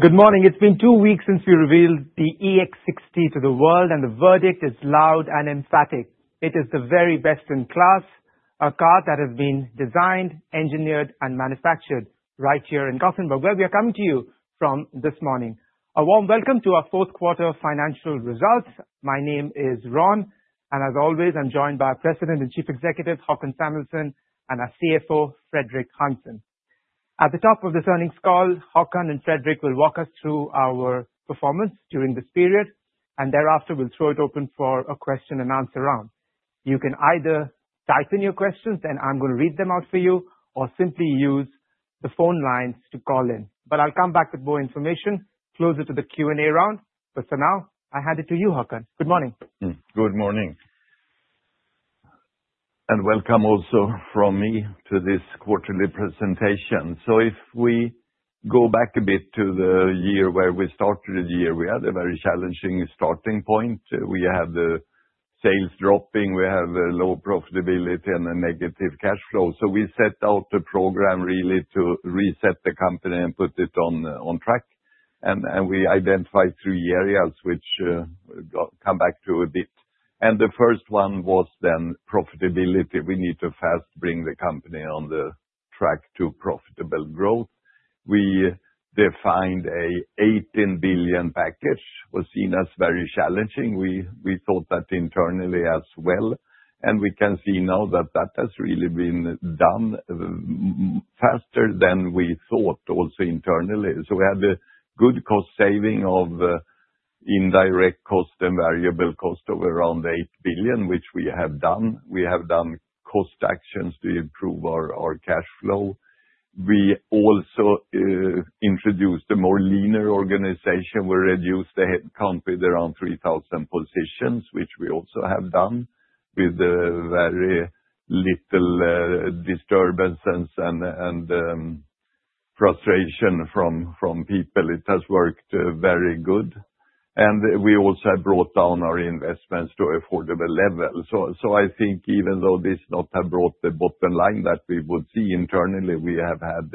Good morning. It's been two weeks since we revealed the EX60 to the world, and the verdict is loud and emphatic. It is the very best in class, a car that has been designed, engineered, and manufactured right here in Gothenburg, where we are coming to you from this morning. A warm welcome to our Q4 financial results. My name is Rowan, and as always, I'm joined by our President and Chief Executive, Håkan Samuelsson, and our CFO, Fredrik Hansson. At the top of this earnings call, Håkan and Fredrik will walk us through our performance during this period, and thereafter, we'll throw it open for a question and answer round. You can either type in your questions, and I'm going to read them out for you, or simply use the phone lines to call in. But I'll come back with more information closer to the Q&A round. For now, I hand it to you, Håkan. Good morning! Good morning. Welcome also from me to this quarterly presentation. If we go back a bit to the year where we started the year, we had a very challenging starting point. We had the sales dropping, we had a low profitability and a negative cash flow. We set out a program really to reset the company and put it on track. We identified three areas which come back to a bit. The first one was then profitability. We need to fast bring the company on the track to profitable growth. We defined a 18 billion package, was seen as very challenging. We thought that internally as well, and we can see now that that has really been done faster than we thought, also internally. So we had a good cost saving of indirect cost and variable cost of around 8 billion, which we have done. We have done cost actions to improve our cash flow. We also introduced a more leaner organization, where we reduced the head count with around 3,000 positions, which we also have done, with very little disturbances and frustration from people. It has worked very good. And we also have brought down our investments to affordable level. So I think even though this not have brought the bottom line that we would see internally, we have had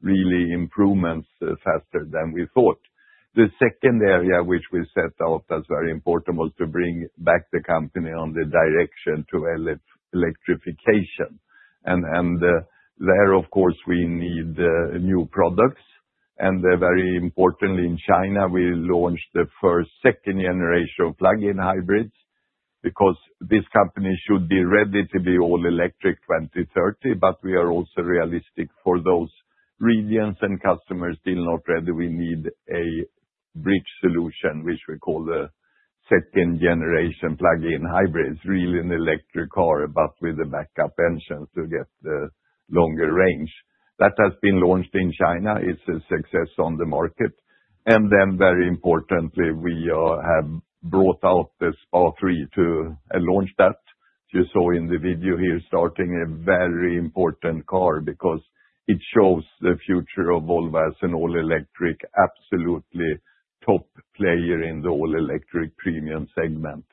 really improvements faster than we thought. The second area, which we set out as very important, was to bring back the company on the direction to electrification. There, of course, we need new products. And very importantly, in China, we launched the first second-generation plug-in hybrids, because this company should be ready to be all electric 2030. But we are also realistic for those regions and customers still not ready. We need a bridge solution, which we call the second-generation plug-in hybrids. Really, an electric car, but with a backup engine to get the longer range. That has been launched in China, it's a success on the market. And then, very importantly, we have brought out this R3 to launch that. You saw in the video here, starting a very important car because it shows the future of Volvo as an all electric, absolutely top player in the all electric premium segment.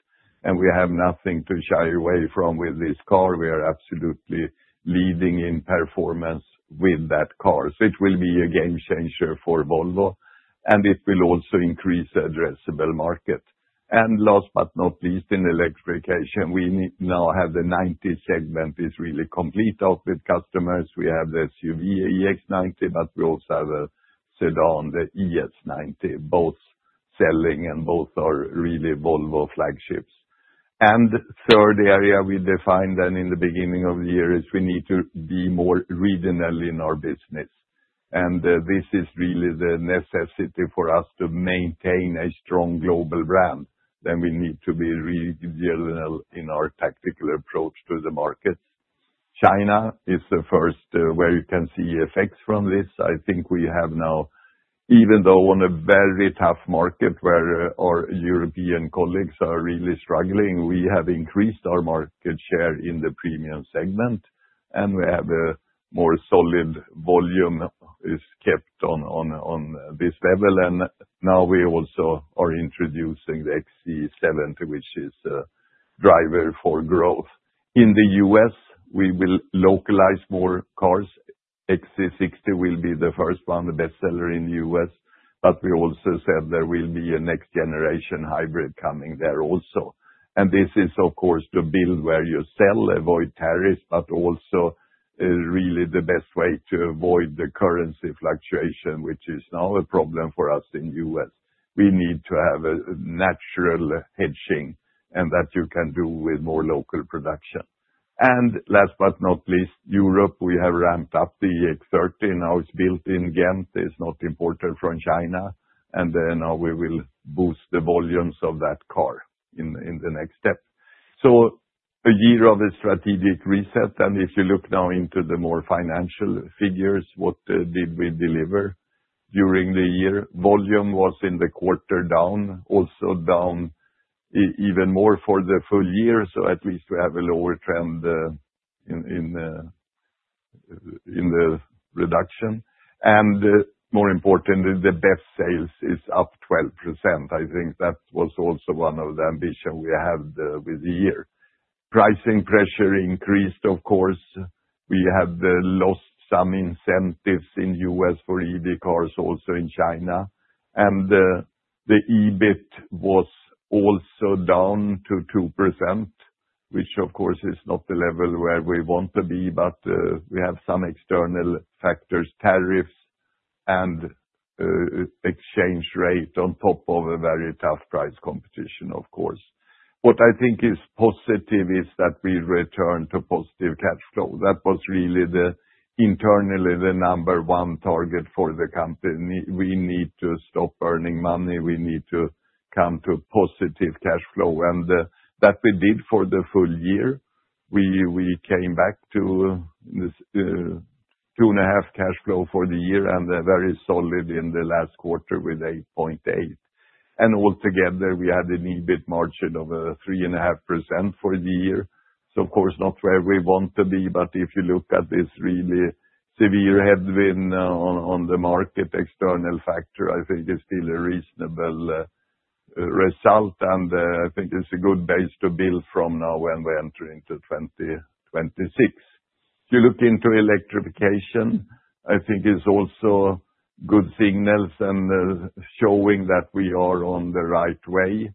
And we have nothing to shy away from with this car. We are absolutely leading in performance with that car. So it will be a game changer for Volvo, and it will also increase the addressable market. And last but not least, in electrification, now have the 90 segment is really complete with customers. We have the SUV EX90, but we also have a sedan, the ES90, both selling and both are really Volvo flagships. And third area we defined then in the beginning of the year, is we need to be more regional in our business. And, this is really the necessity for us to maintain a strong global brand, then we need to be really regional in our tactical approach to the markets. China is the first, where you can see effects from this. I think we have now, even though on a very tough market where our European colleagues are really struggling, we have increased our market share in the premium segment, and we have a more solid volume is kept on this level. And now we also are introducing the XC70, which is a driver for growth. In the U.S., we will localize more cars. XC60 will be the first one, the best seller in the U.S., but we also said there will be a next generation hybrid coming there also. And this is, of course, to build where you sell, avoid tariffs, but also is really the best way to avoid the currency fluctuation, which is now a problem for us in U.S. We need to have a natural hedging, and that you can do with more local production. And last but not least, Europe, we have ramped up the EX30. Now it's built in Ghent, it's not imported from China, and then now we will boost the volumes of that car in the next step. So a year of a strategic reset, and if you look now into the more financial figures, what did we deliver during the year? Volume was in the quarter down, also down even more for the full year, so at least we have a lower trend in the reduction. And more importantly, the net sales is up 12%. I think that was also one of the ambition we had with the year. Pricing pressure increased, of course. We have lost some incentives in U.S. for EV cars, also in China. The EBIT was also down to 2%, which of course is not the level where we want to be, but we have some external factors, tariffs and exchange rate, on top of a very tough price competition, of course. What I think is positive is that we returned to positive cash flow. That was really the, internally, the number one target for the company. We need to stop burning money, we need to come to a positive cash flow, and that we did for the full year. We, we came back to this 2.5 cash flow for the year, and a very solid in the last quarter, with 8.8. Altogether, we had an EBIT margin of 3.5% for the year. So of course, not where we want to be, but if you look at this really severe headwind on the market, external factor, I think it's still a reasonable result, and I think it's a good base to build from now when we enter into 2026. If you look into electrification, I think it's also good signals, and showing that we are on the right way.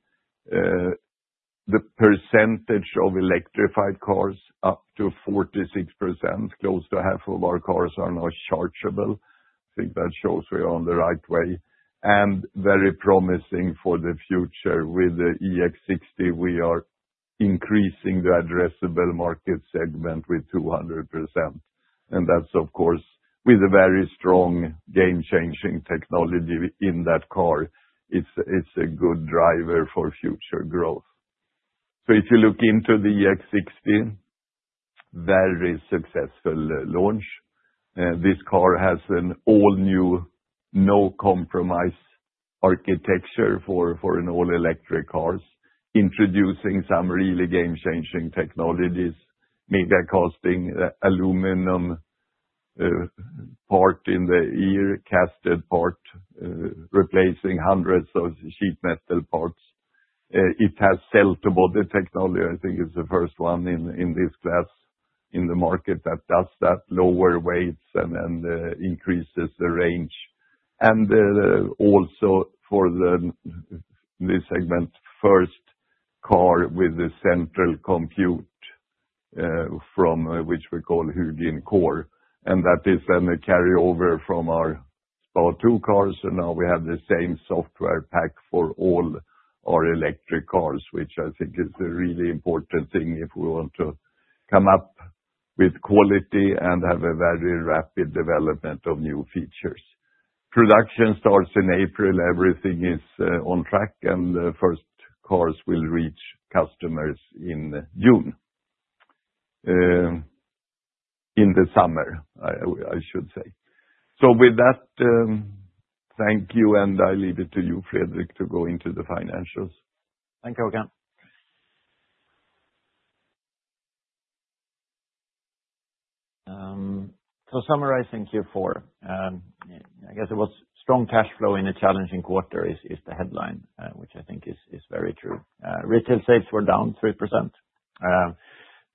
The percentage of electrified cars up to 46%, close to half of our cars are now chargeable. I think that shows we are on the right way, and very promising for the future. With the EX60, we are increasing the addressable market segment with 200%. That's, of course, with a very strong game-changing technology in that car, it's a good driver for future growth. So if you look into the EX60, very successful launch. This car has an all-new, no compromise architecture for an all-electric cars, introducing some really game-changing technologies, megacasting, aluminum underbody casted part, replacing hundreds of sheet metal parts. It has cell-to-body technology, I think it's the first one in this class in the market that does that, lower weights and increases the range. And also for this segment, first car with the central compute from which we call HuginCore, and that is then a carryover from our SPA2 cars, and now we have the same software pack for all our electric cars, which I think is a really important thing if we want to come up with quality and have a very rapid development of new features. Production starts in April, everything is on track, and the first cars will reach customers in June. In the summer, I should say. So with that, thank you, and I leave it to you, Fredrik, to go into the financials. Thank you again. So summarizing Q4, I guess it was strong cash flow in a challenging quarter is the headline, which I think is very true. Retail sales were down 3%,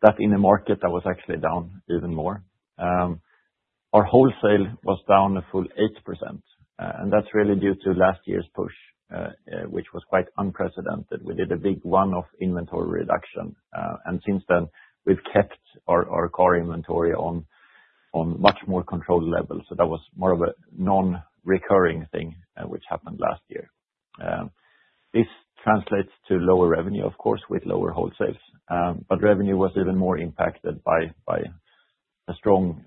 that in a market that was actually down even more. Our wholesale was down a full 8%, and that's really due to last year's push, which was quite unprecedented. We did a big one-off inventory reduction, and since then, we've kept our core inventory on much more controlled levels. So that was more of a non-recurring thing, which happened last year. This translates to lower revenue, of course, with lower wholesales, but revenue was even more impacted by a strong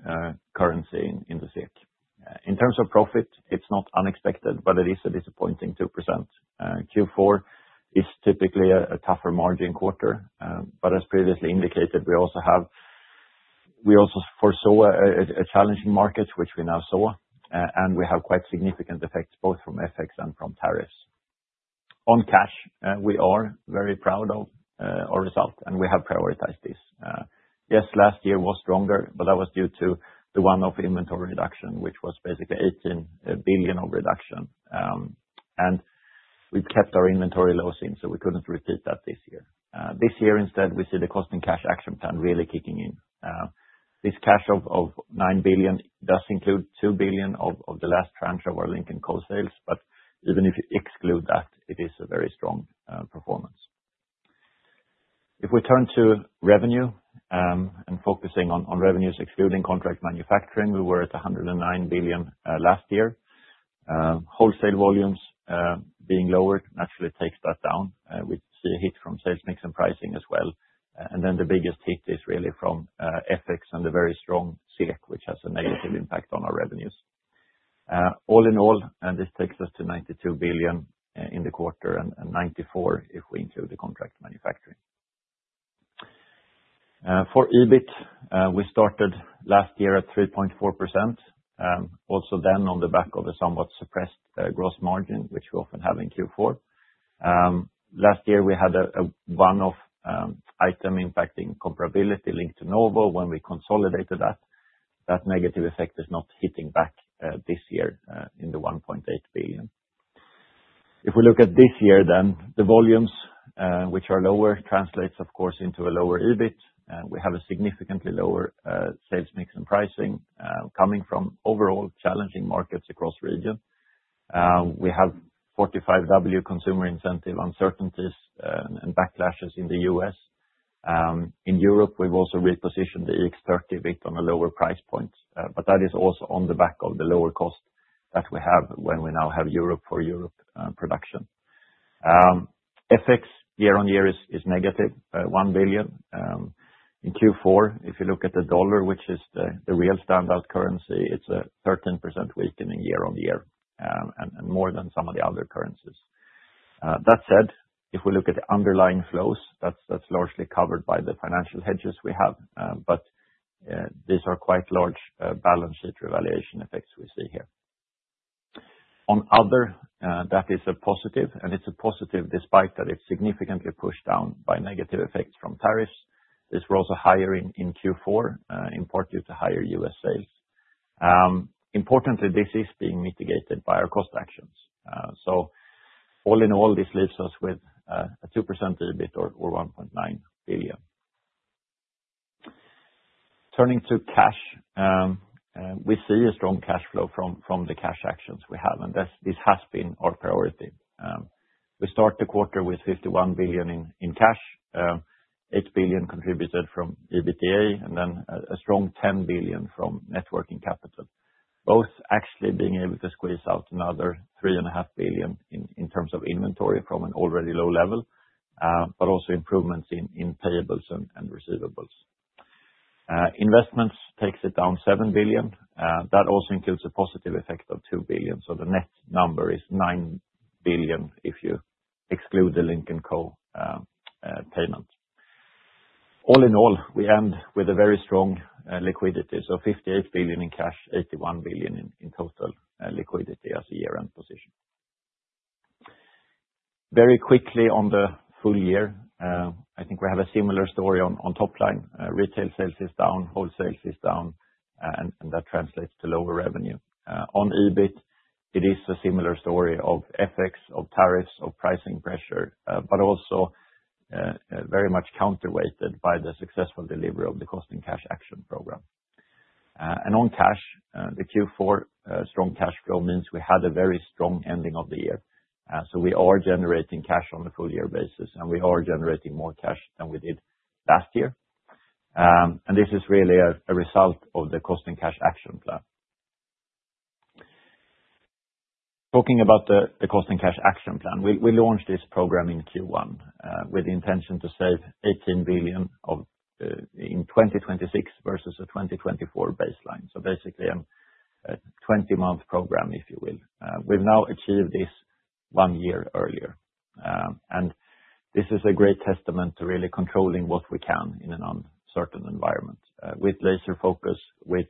currency in the SEK. In terms of profit, it's not unexpected, but it is a disappointing 2%. Q4 is typically a tougher margin quarter, but as previously indicated, we also foresaw a challenging market, which we now saw, and we have quite significant effects both from FX and from tariffs. On cash, we are very proud of our result, and we have prioritized this. Yes, last year was stronger, but that was due to the one-off inventory reduction, which was basically 18 billion of reduction. And we've kept our inventory low since, so we couldn't repeat that this year. This year, instead, we see the cost and cash action plan really kicking in. This cash of nine billion does include two billion of the last tranche of our Lynk & Co sales, but even if you exclude that, it is a very strong performance. If we turn to revenue, and focusing on revenues excluding contract manufacturing, we were at 109 billion last year. Wholesale volumes being lower naturally takes that down, we see a hit from sales mix and pricing as well. And then the biggest hit is really from FX and the very strong SEK, which has a negative impact on our revenues. All in all, and this takes us to 92 billion in the quarter, and 94 billion, if we include the contract manufacturing. For EBIT, we started last year at 3.4%, also then on the back of a somewhat suppressed gross margin, which we often have in Q4. Last year we had a one-off item impacting comparability linked to Novo. When we consolidated that, that negative effect is not hitting back this year in the 1.8 billion. If we look at this year, then the volumes, which are lower, translates, of course, into a lower EBIT, and we have a significantly lower sales mix and pricing coming from overall challenging markets across region. We have 45W consumer incentive uncertainties and backlashes in the US. In Europe, we've also repositioned the EX30 bit on a lower price point, but that is also on the back of the lower cost that we have when we now have Europe for Europe, production. FX year-on-year is negative 1 billion. In Q4, if you look at the US dollar, which is the real standout currency, it's a 13% weakening year-on-year, and more than some of the other currencies. That said, if we look at the underlying flows, that's largely covered by the financial hedges we have, but these are quite large balance sheet revaluation effects we see here. On other, that is a positive, and it's a positive, despite that it's significantly pushed down by negative effects from tariffs. This was also higher in Q4, in part due to higher U.S. sales. Importantly, this is being mitigated by our cost actions. So all in all, this leaves us with a 2% EBIT or 1.9 billion. Turning to cash, we see a strong cash flow from the cash actions we have, and this has been our priority. We start the quarter with 51 billion in cash, 8 billion contributed from EBITDA, and then a strong 10 billion from net working capital. Both actually being able to squeeze out another 3.5 billion in terms of inventory from an already low level, but also improvements in payables and receivables. Investments takes it down 7 billion, that also includes a positive effect of 2 billion, so the net number is 9 billion, if you exclude the Lynk & Co payment. All in all, we end with a very strong liquidity, so 58 billion in cash, 81 billion in total liquidity as a year-end position. Very quickly, on the full year, I think we have a similar story on top line. Retail sales is down, wholesale sales is down, and that translates to lower revenue. On EBIT, it is a similar story of FX, of tariffs, of pricing pressure, but also very much counterweighted by the successful delivery of the cost and cash action program. And on cash, the Q4 strong cash flow means we had a very strong ending of the year. So we are generating cash on a full year basis, and we are generating more cash than we did last year. And this is really a result of the cost and cash action plan. Talking about the cost and cash action plan, we launched this program in Q1 with the intention to save 18 billion in 2026 versus a 2024 baseline. So basically, a 20-month program, if you will. We've now achieved this 1 year earlier, and this is a great testament to really controlling what we can in an uncertain environment. With laser focus, with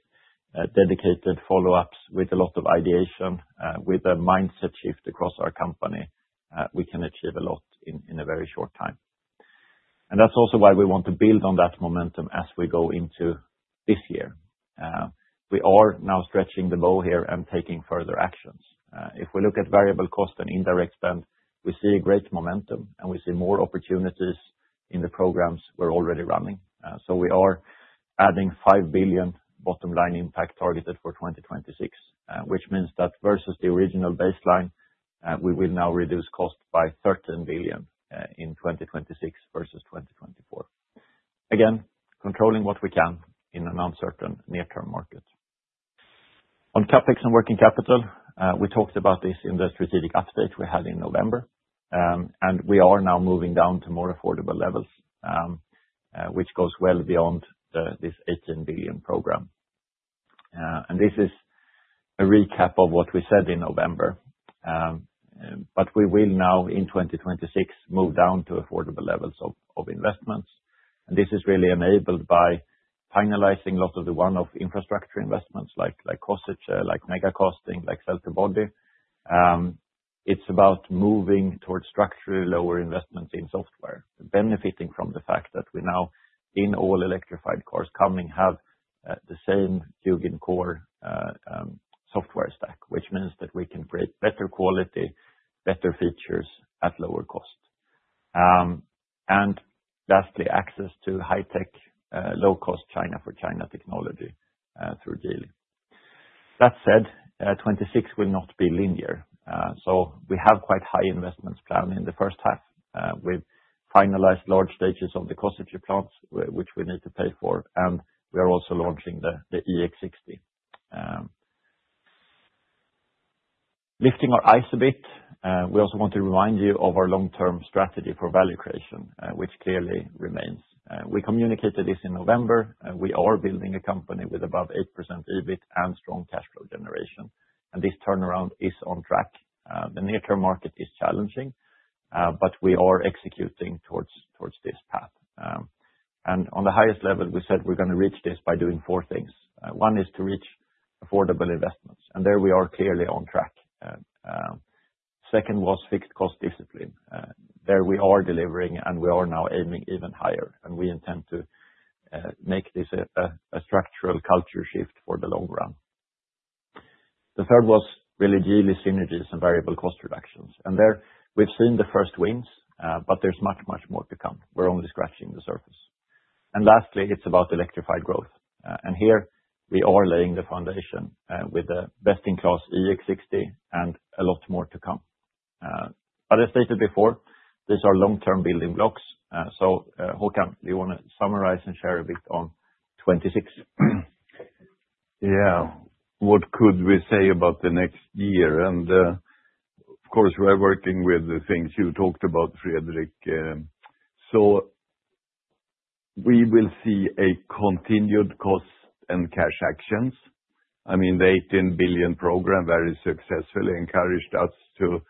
dedicated follow-ups, with a lot of ideation, with a mindset shift across our company, we can achieve a lot in a very short time. That's also why we want to build on that momentum as we go into this year. We are now stretching the bow here and taking further actions. If we look at variable cost and indirect spend, we see a great momentum, and we see more opportunities in the programs we're already running. So we are adding 5 billion bottom line impact targeted for 2026, which means that versus the original baseline, we will now reduce costs by 13 billion in 2026 versus 2024. Again, controlling what we can in an uncertain near-term market. On CapEx and working capital, we talked about this in the strategic update we had in November, and we are now moving down to more affordable levels, which goes well beyond this 18 billion program. This is a recap of what we said in November, but we will now, in 2026, move down to affordable levels of investments. This is really enabled by finalizing a lot of the one-off infrastructure investments, like Košice, like megacasting, like cell-to-body. It's about moving towards structurally lower investments in software, benefiting from the fact that we now, in all electrified cars coming, have the same HuginCore software stack, which means that we can create better quality, better features at lower cost. And lastly, access to high-tech, low-cost Chinese technology through Geely. That said, 2026 will not be linear, so we have quite high investments planned in the first half. We've finalized large stages of the cost of the plants, which we need to pay for, and we are also launching the EX60. Lifting our eyes a bit, we also want to remind you of our long-term strategy for value creation, which clearly remains. We communicated this in November, and we are building a company with above 8% EBIT and strong cash flow generation, and this turnaround is on track. The near-term market is challenging, but we are executing towards this path. And on the highest level, we said we're gonna reach this by doing four things. One is to reach affordable investments, and there we are clearly on track. Second was fixed cost efficiency-... There we are delivering, and we are now aiming even higher, and we intend to make this a structural culture shift for the long run. The third was really deal synergies and variable cost reductions, and there we've seen the first wins, but there's much, much more to come. We're only scratching the surface. And lastly, it's about electrified growth. And here we are laying the foundation with the best-in-class EX60 and a lot more to come. As I stated before, these are long-term building blocs, so, Håkan, do you want to summarize and share a bit on 26? Yeah. What could we say about the next year? And, of course, we're working with the things you talked about, Fredrik. So we will see a continued cost and cash actions. I mean, the 18 billion program very successfully encouraged us to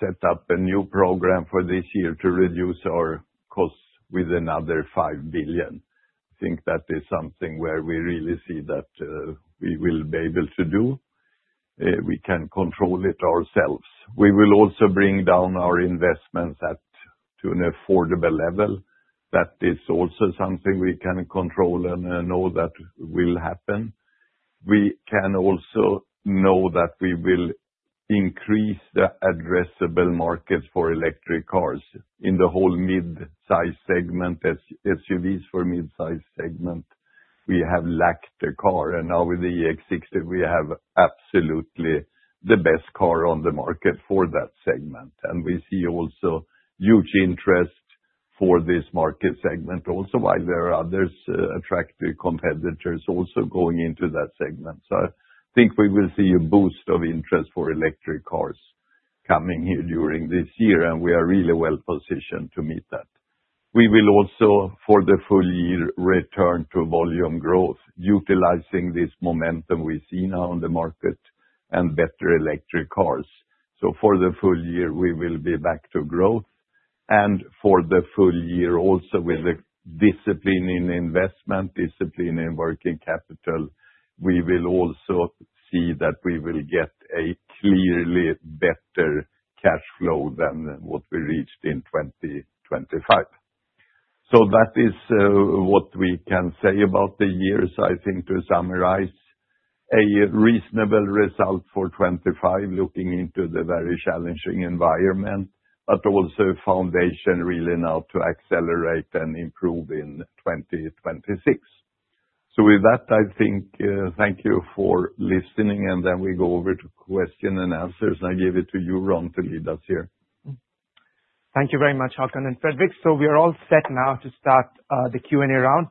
set up a new program for this year to reduce our costs with another 5 billion. I think that is something where we really see that we will be able to do. We can control it ourselves. We will also bring down our investments to an affordable level. That is also something we can control and know that will happen. We can also know that we will increase the addressable markets for electric cars. In the whole mid-size segment, SU- SUVs for mid-size segment, we have lacked a car, and now with the EX60, we have absolutely the best car on the market for that segment. And we see also huge interest for this market segment. Also, while there are others, attractive competitors also going into that segment. So I think we will see a boost of interest for electric cars coming here during this year, and we are really well positioned to meet that. We will also, for the full year, return to volume growth, utilizing this momentum we see now on the market and better electric cars. So for the full year, we will be back to growth, and for the full year also with a discipline in investment, discipline in working capital, we will also see that we will get a clearly better cash flow than what we reached in 2025. So that is what we can say about the year. So I think to summarize, a reasonable result for 25, looking into the very challenging environment, but also foundation really now to accelerate and improve in 2026. So with that, I think, thank you for listening, and then we go over to question and answers. I give it to you, Rowan, to lead us here. Thank you very much, Håkan and Fredrik. So we are all set now to start the Q&A round.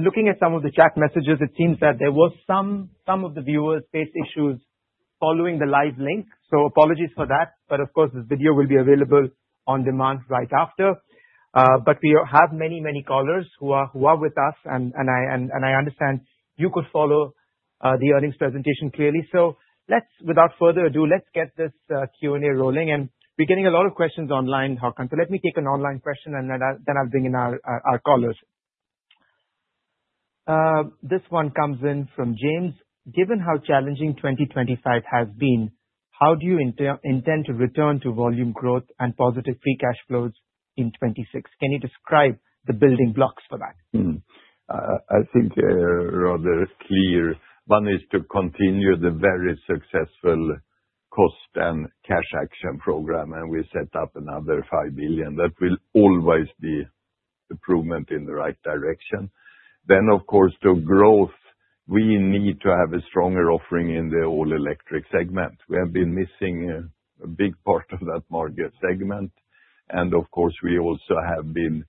Looking at some of the chat messages, it seems that there was some of the viewers faced issues following the live link, so apologies for that, but of course, this video will be available on demand right after. But we have many, many callers who are with us, and I understand you could follow the earnings presentation clearly. So let's, without further ado, let's get this Q&A rolling. We're getting a lot of questions online, Håkan, so let me take an online question, and then I'll bring in our callers. This one comes in from James: Given how challenging 2025 has been, how do you intend to return to volume growth and positive free cash flows in 2026? Can you describe the building blocs for that? I think, rather clear, one is to continue the very successful cost and cash action program, and we set up another 5 billion. That will always be improvement in the right direction. Then, of course, the growth, we need to have a stronger offering in the all-electric segment. We have been missing a big part of that market segment, and of course, we also have been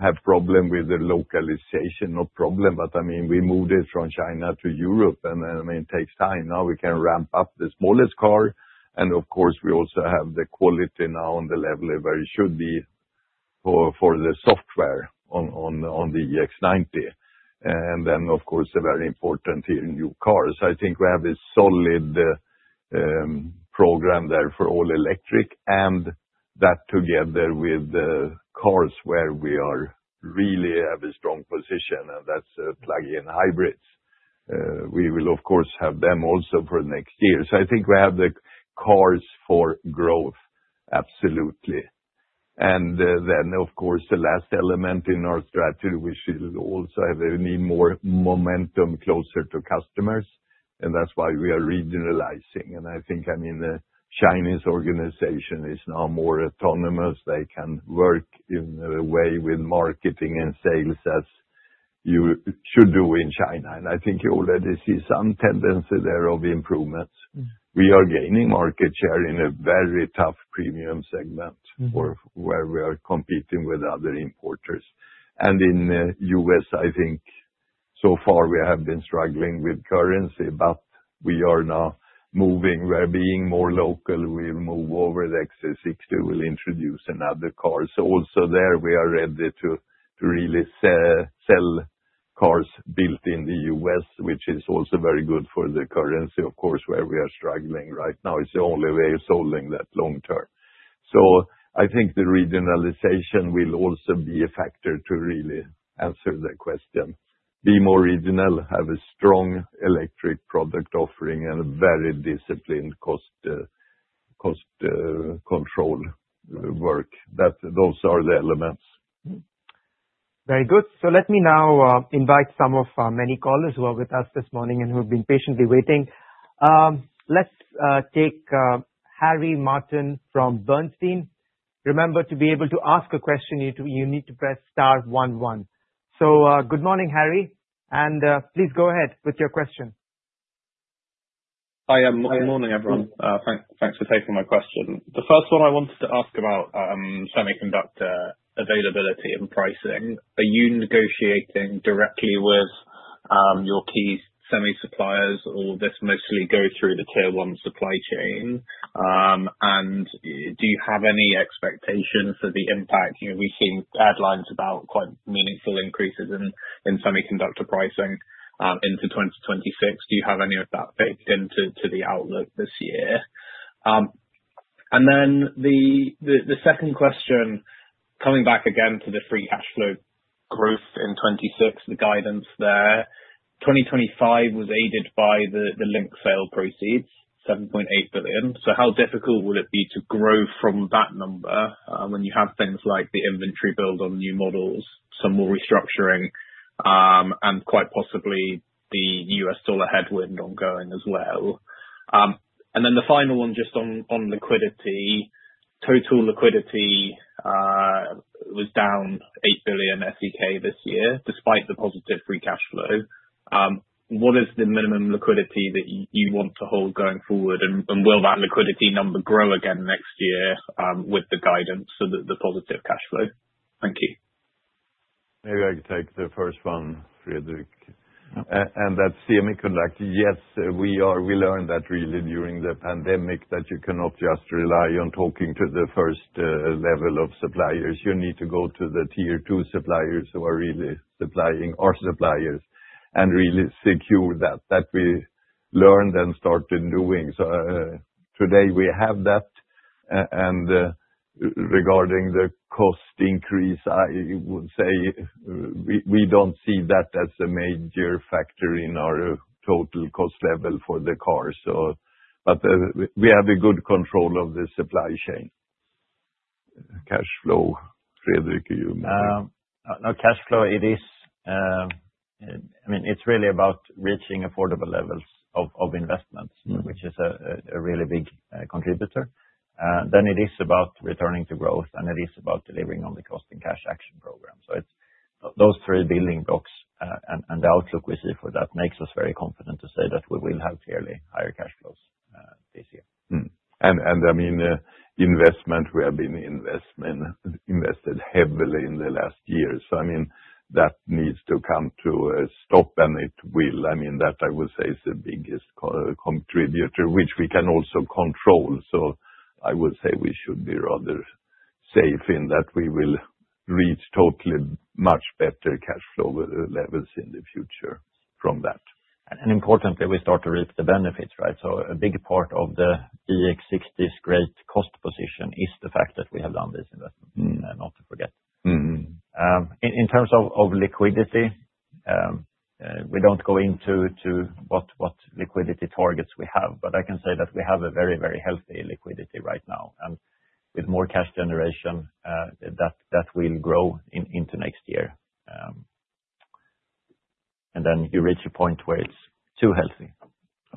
have problem with the localization. Not problem, but, I mean, we moved it from China to Europe, and, I mean, it takes time. Now we can ramp up the smallest car, and of course, we also have the quality now on the level where it should be for the software on the EX90. And then, of course, a very important in new cars. I think we have a solid program there for all electric, and that together with the cars where we are really have a strong position, and that's plug-in hybrids. We will of course have them also for next year. So I think we have the cars for growth. Absolutely. And then, of course, the last element in our strategy, which is also we need more momentum closer to customers, and that's why we are regionalizing. And I think, I mean, the Chinese organization is now more autonomous. They can work in a way with marketing and sales as you should do in China. And I think you already see some tendency there of improvement. We are gaining market share in a very tough premium segment. Mm-hmm. where we are competing with other importers. And in U.S., I think so far we have been struggling with currency, but we are now moving. We are being more local. We move over the EX60. We will introduce another car. So also there, we are ready to really sell cars built in the U.S., which is also very good for the currency, of course, where we are struggling right now. It's the only way of solving that long term. So I think the regionalization will also be a factor to really answer that question. Be more regional, have a strong electric product offering, and a very disciplined cost control work. Those are the elements. Very good. So let me now invite some of our many callers who are with us this morning and who have been patiently waiting. Let's take Harry Martin from Bernstein. Remember, to be able to ask a question, you need to press star one, one. So, good morning, Harry, and please go ahead with your question. Hi, good morning, everyone. Thanks for taking my question. The first one I wanted to ask about, semiconductor availability and pricing. Are you negotiating directly with, your key semi suppliers, or this mostly goes through the tier one supply chain? And do you have any expectations for the impact? You know, we've seen headlines about quite meaningful increases in semiconductor pricing, into 2026. Do you have any of that baked into the outlook this year? And then the second question, coming back again to the free cash flow growth in 2026, the guidance there. 2025 was aided by the Lynk sale proceeds, 7.8 billion, so how difficult will it be to grow from that number, when you have things like the inventory build on new models, some more restructuring, and quite possibly the US dollar headwind ongoing as well? And then the final one, just on liquidity. Total liquidity was down 8 billion SEK this year, despite the positive free cash flow. What is the minimum liquidity that you want to hold going forward? And will that liquidity number grow again next year, with the guidance, so the positive cash flow? Thank you. Maybe I can take the first one, Fredrik. And that's semiconductor. Yes, we learned that really during the pandemic, that you cannot just rely on talking to the first level of suppliers. You need to go to the tier two suppliers who are really supplying our suppliers, and really secure that, that we learned and started doing. So, today, we have that. And, regarding the cost increase, I would say we, we don't see that as a major factor in our total cost level for the cars, so. But, we, we have a good control of the supply chain. Cash flow, Fredrik, you? No, cash flow, it is, I mean, it's really about reaching affordable levels of investment- Mm. which is a really big contributor. And then it is about returning to growth, and it is about delivering on the cost and cash action program. So it's those three building blocs, and the outlook we see for that makes us very confident to say that we will have clearly higher cash flows this year. And I mean, investment, we have been invested heavily in the last year. So, I mean, that needs to come to a stop, and it will. I mean, that, I would say, is the biggest contributor, which we can also control. So I would say we should be rather safe in that we will reach totally much better cash flow levels in the future from that. Importantly, we start to reap the benefits, right? A big part of the EX60's great cost position is the fact that we have done this investment- Mm. not to forget. Mm-hmm. In terms of liquidity, we don't go into what liquidity targets we have, but I can say that we have a very, very healthy liquidity right now. And with more cash generation, that will grow into next year. And then you reach a point where it's too healthy.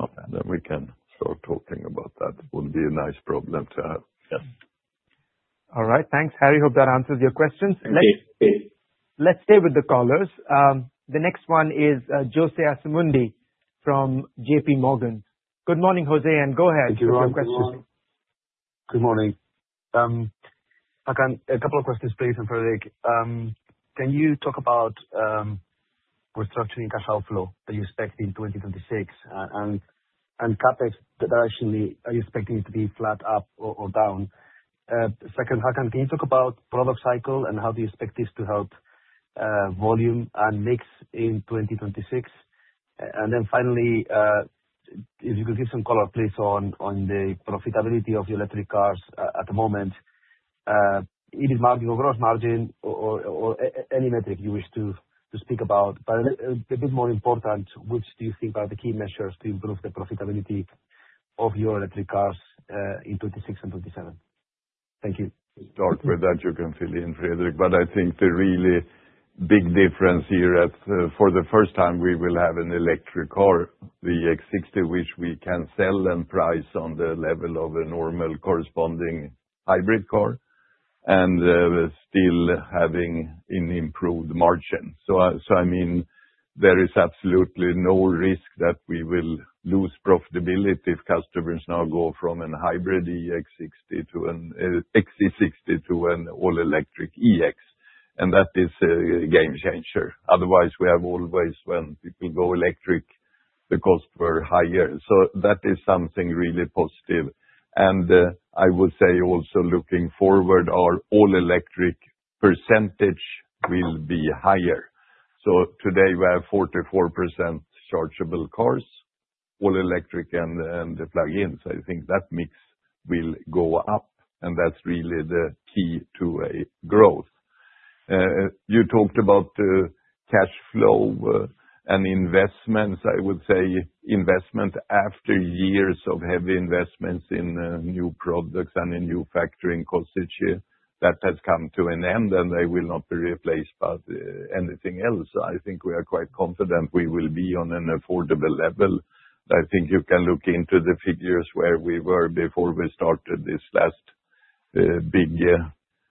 Okay, then we can start talking about that. Would be a nice problem to have. Yes. All right. Thanks, Harry. Hope that answers your questions. It did, it did. Let's stay with the callers. The next one is Jose Asumendi from J.P. Morgan. Good morning, Jose, and go ahead with your question. Good morning. I have a couple of questions, please, for Fredrik. Can you talk about restructuring cash flow that you expect in 2026, and CapEx directionally, are you expecting it to be flat, up, or down? Second, Håkan, can you talk about product cycle, and how do you expect this to help volume and mix in 2026? And then finally, if you could give some color, please, on the profitability of your electric cars at the moment, even margin, or gross margin or any metric you wish to speak about. But, a bit more important, which do you think are the key measures to improve the profitability of your electric cars in 2026 and 2027? Thank you. Start with that. You can fill in, Fredrik. But I think the really big difference here is, for the first time, we will have an electric car, the EX60, which we can sell and price on the level of a normal corresponding hybrid car, and, still having an improved margin. So I mean, there is absolutely no risk that we will lose profitability if customers now go from a hybrid EX60 to an XC60 to an all-electric EX, and that is a game changer. Otherwise, we have always, when people go electric, the costs were higher. So that is something really positive. And, I would say also, looking forward, our all-electric percentage will be higher. So today we have 44% chargeable cars all electric and the plug-ins, I think that mix will go up, and that's really the key to growth. You talked about cash flow and investments. I would say investment after years of heavy investments in new products and in new factory in Košice, that has come to an end, and they will not be replaced by anything else. I think we are quite confident we will be on an affordable level. I think you can look into the figures where we were before we started this last big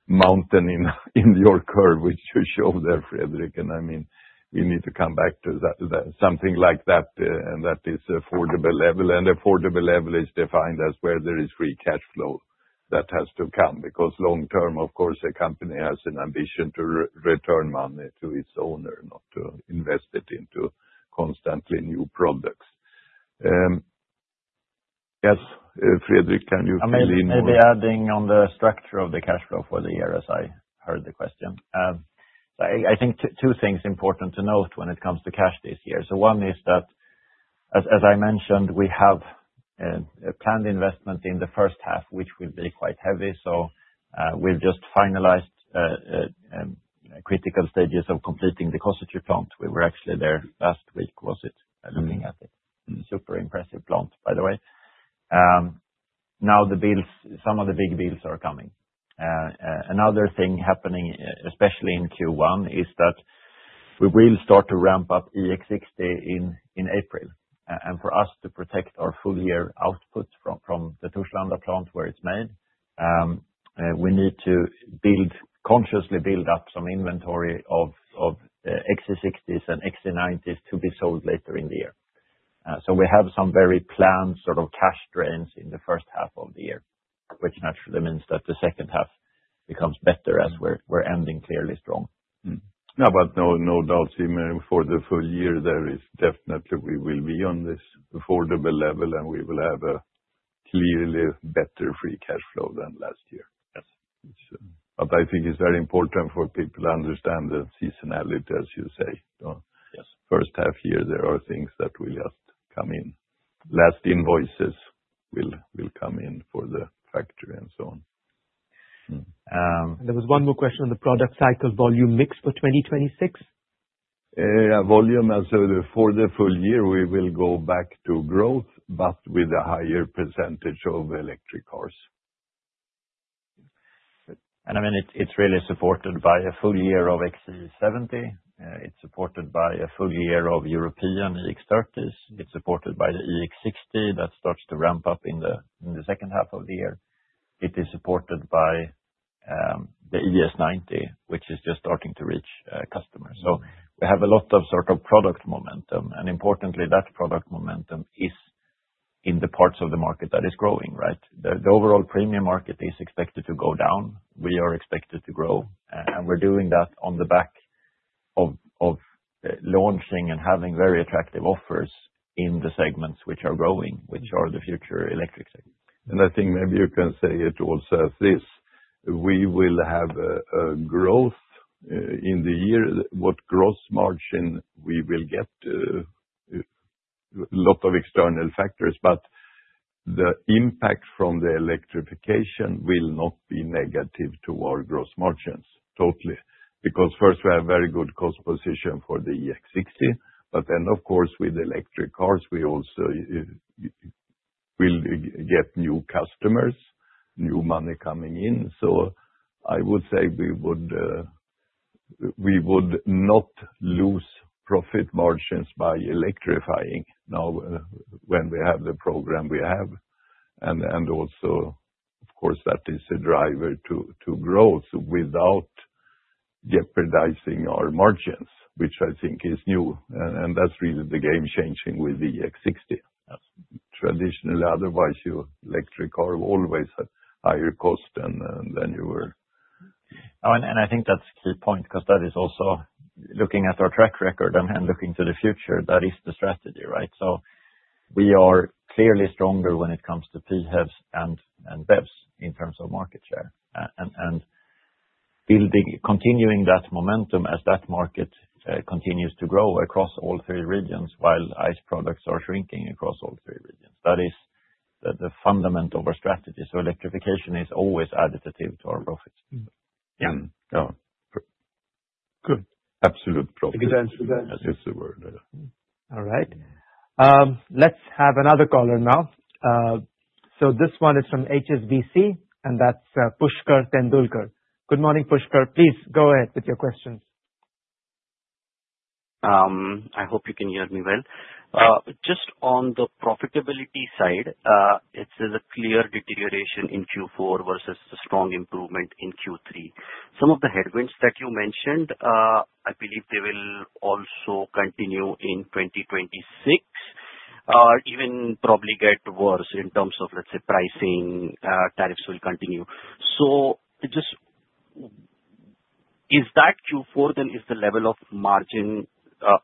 mountain in your curve, which you show there, Fredrik. And, I mean, we need to come back to that, something like that, and that is affordable level. And affordable level is defined as where there is free cashflow. That has to come, because long term, of course, a company has an ambition to return money to its owner, not to invest it into constantly new products. Yes, Fredrik, can you please- I mean, maybe adding on the structure of the cash flow for the year, as I heard the question. I think two things important to note when it comes to cash this year. So one is that, as I mentioned, we have a planned investment in the first half, which will be quite heavy. So, we've just finalized critical stages of completing the Košice plant. We were actually there last week, was it? Mm-hmm. Looking at it. Mm-hmm. Super impressive plant, by the way. Now the bills, some of the big bills are coming. Another thing happening, especially in Q1, is that we will start to ramp up EX60 in April. And for us to protect our full year output from the Torslanda plant where it's made, we need to consciously build up some inventory of EX60s and EX90s to be sold later in the year. So we have some very planned sort of cash drains in the first half of the year, which naturally means that the second half becomes better, as we're ending clearly strong. Mm-hmm. No, but no, no doubt, Jimmy, for the full year, there is definitely we will be on this affordable level, and we will have a clearly better free cash flow than last year. Yes. But I think it's very important for people to understand the seasonality, as you say. Yes. First half year, there are things that will just come in. Last invoices will, will come in for the factory and so on. There was one more question on the product cycle volume mix for 2026. Volume, as for the full year, we will go back to growth, but with a higher percentage of electric cars. I mean, it's really supported by a full year of XC70. It's supported by a full year of European EX30s. It's supported by the EX60 that starts to ramp up in the second half of the year. It is supported by the ES90, which is just starting to reach customers. So we have a lot of sort of product momentum, and importantly, that product momentum is in the parts of the market that is growing, right? The overall premium market is expected to go down. We are expected to grow, and we're doing that on the back of launching and having very attractive offers in the segments which are growing, which are the future electric segments. I think maybe you can say it also as this: we will have a growth in the year. What growth margin we will get, lot of external factors, but the impact from the electrification will not be negative to our growth margins, totally. Because first, we have very good cost position for the EX60, but then, of course, with electric cars, we also will get new customers, new money coming in. So I would say we would not lose profit margins by electrifying now, when we have the program we have. And also, of course, that is a driver to growth without jeopardizing our margins, which I think is new, and that's really the game changing with the EX60. Yes. Traditionally, otherwise, your electric car always had higher cost than you were. Oh, and I think that's key point, 'cause that is also looking at our track record and looking to the future, that is the strategy, right? So we are clearly stronger when it comes to PHEVs and BEVs in terms of market share. And building, continuing that momentum as that market continues to grow across all three regions, while ICE products are shrinking across all three regions. That is the fundament of our strategy, so electrification is always additive to our profits. Mm-hmm. Yeah. Good. Absolute profit- Good answer. That is the word, yeah. All right. Let's have another caller now. So this one is from HSBC, and that's Pushkar Tendulkar. Good morning, Pushkar. Please go ahead with your questions. I hope you can hear me well. Yes. Just on the profitability side, it is a clear deterioration in Q4 versus a strong improvement in Q3. Some of the headwinds that you mentioned, I believe they will also continue in 2026, even probably get worse in terms of, let's say, pricing, tariffs will continue. So just... Is that Q4, then, is the level of margin,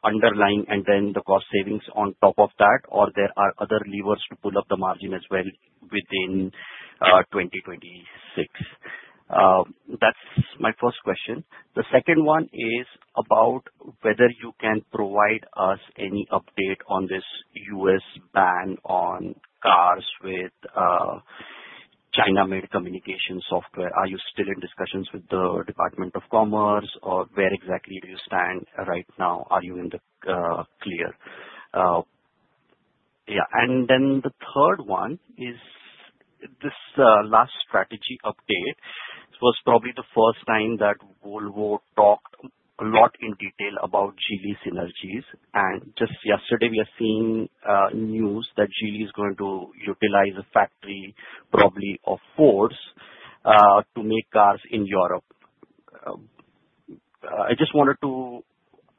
underlying and then the cost savings on top of that, or there are other levers to pull up the margin as well within 2026?... that's my first question. The second one is about whether you can provide us any update on this U.S. ban on cars with China-made communication software. Are you still in discussions with the U.S. Department of Commerce, or where exactly do you stand right now? Are you in the clear? Yeah, and then the third one is, this last strategy update was probably the first time that Volvo talked a lot in detail about Geely's synergies. Just yesterday, we are seeing news that Geely is going to utilize a factory, probably of course, to make cars in Europe. I just wanted to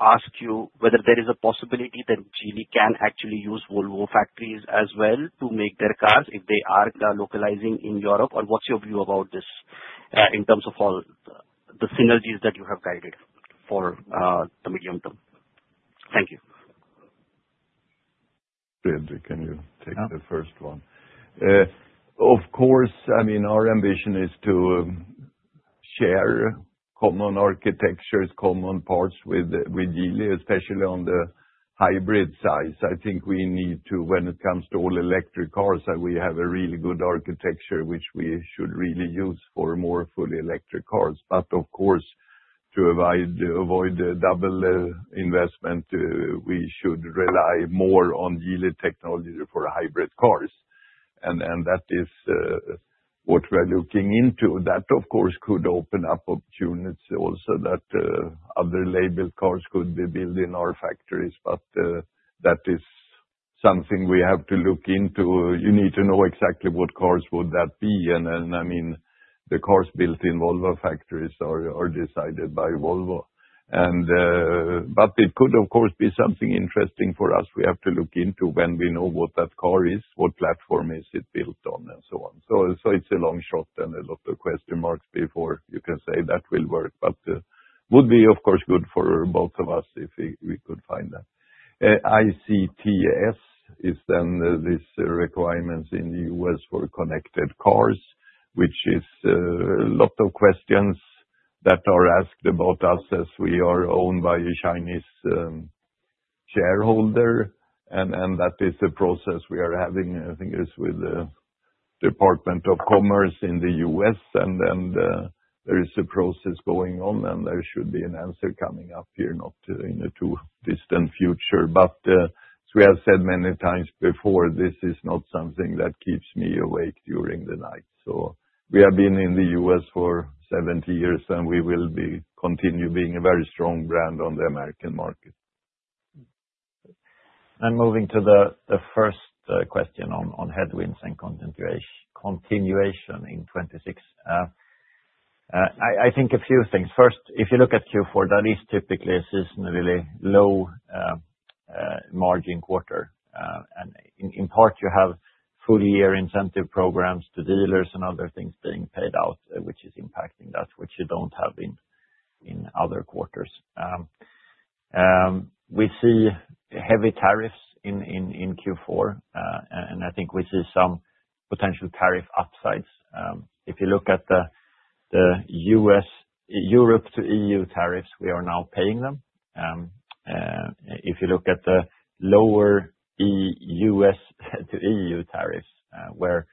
ask you whether there is a possibility that Geely can actually use Volvo factories as well to make their cars if they are localizing in Europe, or what's your view about this in terms of all the synergies that you have guided for the medium term? Thank you. Henry, can you take the first one? Of course, I mean, our ambition is to share common architectures, common parts with Geely, especially on the hybrid side. I think we need to—when it comes to all electric cars, that we have a really good architecture, which we should really use for more fully electric cars. But of course, to avoid double investment, we should rely more on Geely technology for hybrid cars. And that is what we're looking into. That, of course, could open up opportunities also that other label cars could be built in our factories, but that is something we have to look into. You need to know exactly what cars would that be, and then, I mean, the cars built in Volvo factories are decided by Volvo. But it could, of course, be something interesting for us. We have to look into when we know what that car is, what platform is it built on, and so on. So it's a long shot and a lot of question marks before you can say that will work, but would be, of course, good for both of us if we could find that. ICTS is then this requirements in the U.S. for connected cars, which is a lot of questions that are asked about us as we are owned by a Chinese shareholder, and that is a process we are having, I think, with the Department of Commerce in the U.S. And then there is a process going on, and there should be an answer coming up here, not in the too distant future. But, as we have said many times before, this is not something that keeps me awake during the night. So we have been in the U.S. for 70 years, and we will be continue being a very strong brand on the American market. Moving to the first question on headwinds and continuation in 2026. I think a few things. First, if you look at Q4, that is typically a seasonally low margin quarter. And in part, you have full year incentive programs to dealers and other things being paid out, which is impacting us, which you don't have in other quarters. We see heavy tariffs in Q4, and I think we see some potential tariff upsides. If you look at the U.S.-Europe to EU tariffs, we are now paying them. If you look at the lower EU-US to EU tariffs, where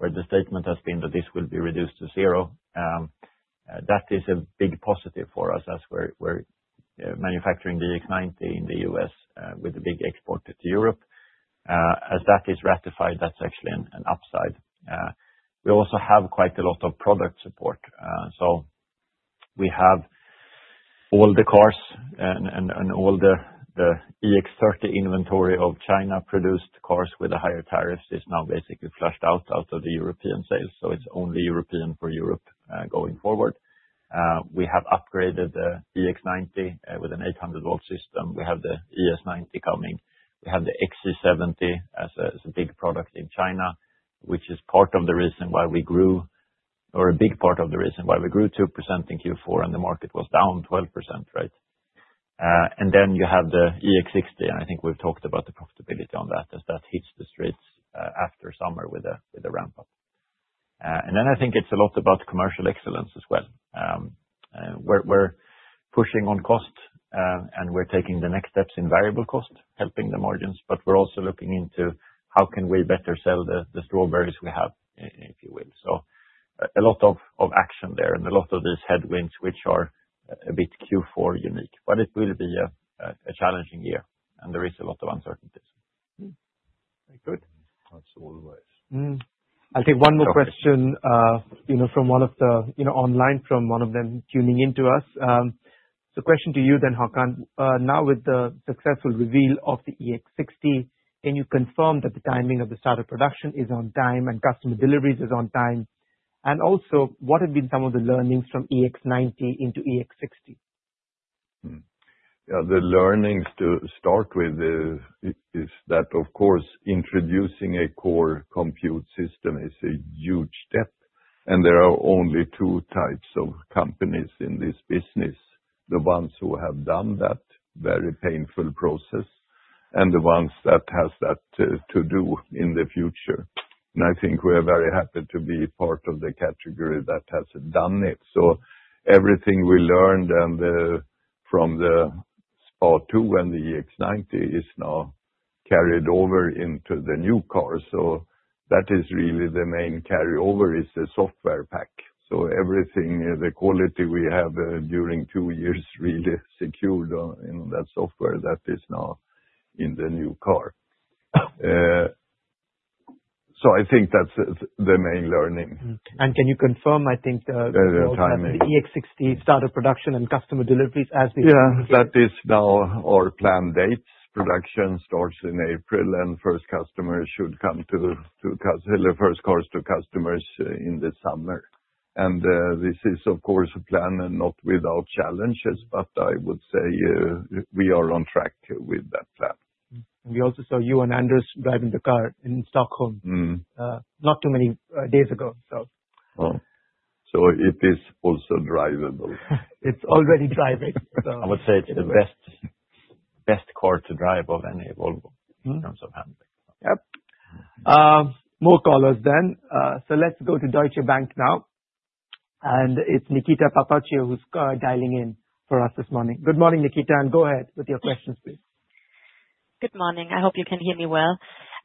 the statement has been that this will be reduced to zero, that is a big positive for us as we're manufacturing the EX90 in the US with a big export to Europe. As that is ratified, that's actually an upside. We also have quite a lot of product support, so we have all the cars and all the EX30 inventory of China-produced cars with higher tariffs is now basically flushed out of the European sales, so it's only European for Europe going forward. We have upgraded the EX90 with an 800-volt system. We have the ES90 coming. We have the XC70 as a, as a big product in China, which is part of the reason why we grew, or a big part of the reason why we grew 2% in Q4, and the market was down 12%, right? And then you have the EX60, and I think we've talked about the profitability on that, as that hits the streets, after summer with a, with a ramp up. And then I think it's a lot about commercial excellence as well. We're, we're pushing on costs, and we're taking the next steps in variable cost, helping the margins, but we're also looking into how can we better sell the, the strawberries we have, if you will. So a lot of action there and a lot of these headwinds, which are a bit Q4 unique, but it will be a challenging year, and there is a lot of uncertainties. Hmm. Very good. That's all right. I'll take one more question, you know, from one of the, you know, online, from one of them tuning in to us. So question to you then, Håkan, now with the successful reveal of the EX60, can you confirm that the timing of the start of production is on time and customer deliveries is on time? And also, what have been some of the learnings from EX90 into EX60? Hm. Yeah, the learnings to start with, is that, of course, introducing a core compute system is a huge step, and there are only two types of companies in this business: the ones who have done that very painful process and the ones that has to do in the future. And I think we are very happy to be part of the category that has done it. So everything we learned and from the SPA2 when the EX90 is now carried over into the new car, so that is really the main carryover, is the software pack. So everything, the quality we have during two years really secured in that software that is now in the new car. So I think that's the main learning. Can you confirm, I think? The timing? The EX60 start of production and customer deliveries as is? Yeah, that is now our plan date. Production starts in April, and deliver first cars to customers in the summer. This is of course a plan and not without challenges, but I would say we are on track with that plan. We also saw you and Anders driving the car in Stockholm. Mm. Not too many days ago, so. Oh, so it is also drivable. It's already driving, so- I would say it's the best, best car to drive of any Volvo, in terms of handling. Yep. More callers then. So let's go to Deutsche Bank now, and it's Nikita Papaccio, who's dialing in for us this morning. Good morning, Nikita, and go ahead with your questions, please. Good morning. I hope you can hear me well.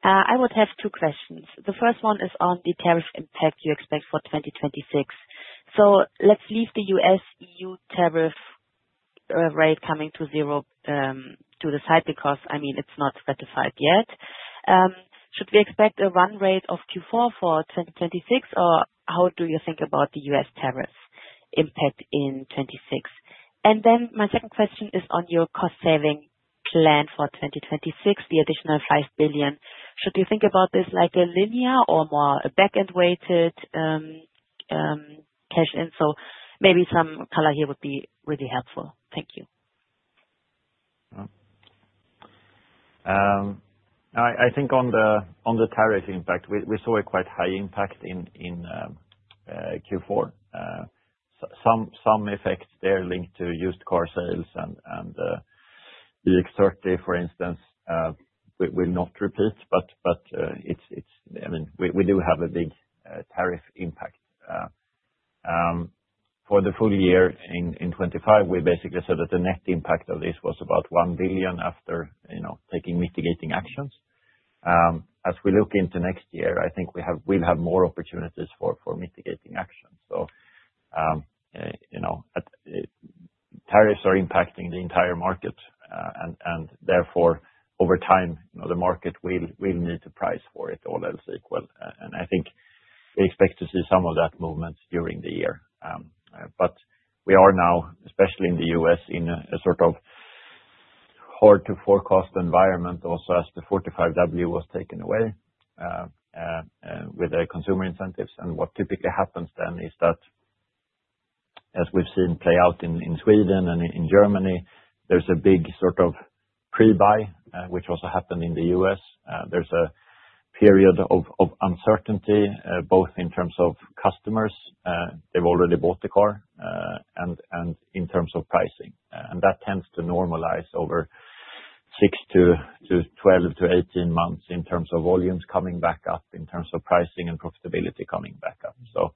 I would have two questions. The first one is on the tariff impact you expect for 2026. So let's leave the U.S.-E.U. tariff rate coming to zero to the side, because, I mean, it's not specified yet. Should we expect a run rate of Q4 for 2026, or how do you think about the U.S. tariff impact in 2026? And then my second question is on your cost saving plan for 2026, the additional 5 billion. Should you think about this like a linear or more a back-end weighted cash in? So maybe some color here would be really helpful. Thank you. I think on the tariff impact, we saw a quite high impact in Q4. Some effects there linked to used car sales and the EX30, for instance, we will not repeat, but it's I mean, we do have a big tariff impact. For the full year in 2025, we basically said that the net impact of this was about 1 billion after, you know, taking mitigating actions. As we look into next year, I think we'll have more opportunities for mitigating actions. So, you know, tariffs are impacting the entire market and therefore, over time, you know, the market will need to price for it, all else equal. And I think we expect to see some of that movement during the year. But we are now, especially in the U.S., in a sort of hard-to-forecast environment also, as the 45W was taken away, with the consumer incentives. And what typically happens then is that, as we've seen play out in Sweden and in Germany, there's a big sort of pre-buy, which also happened in the U.S. There's a period of uncertainty, both in terms of customers, they've already bought the car, and in terms of pricing. And that tends to normalize over 6 to 12 to 18 months in terms of volumes coming back up, in terms of pricing and profitability coming back up. So,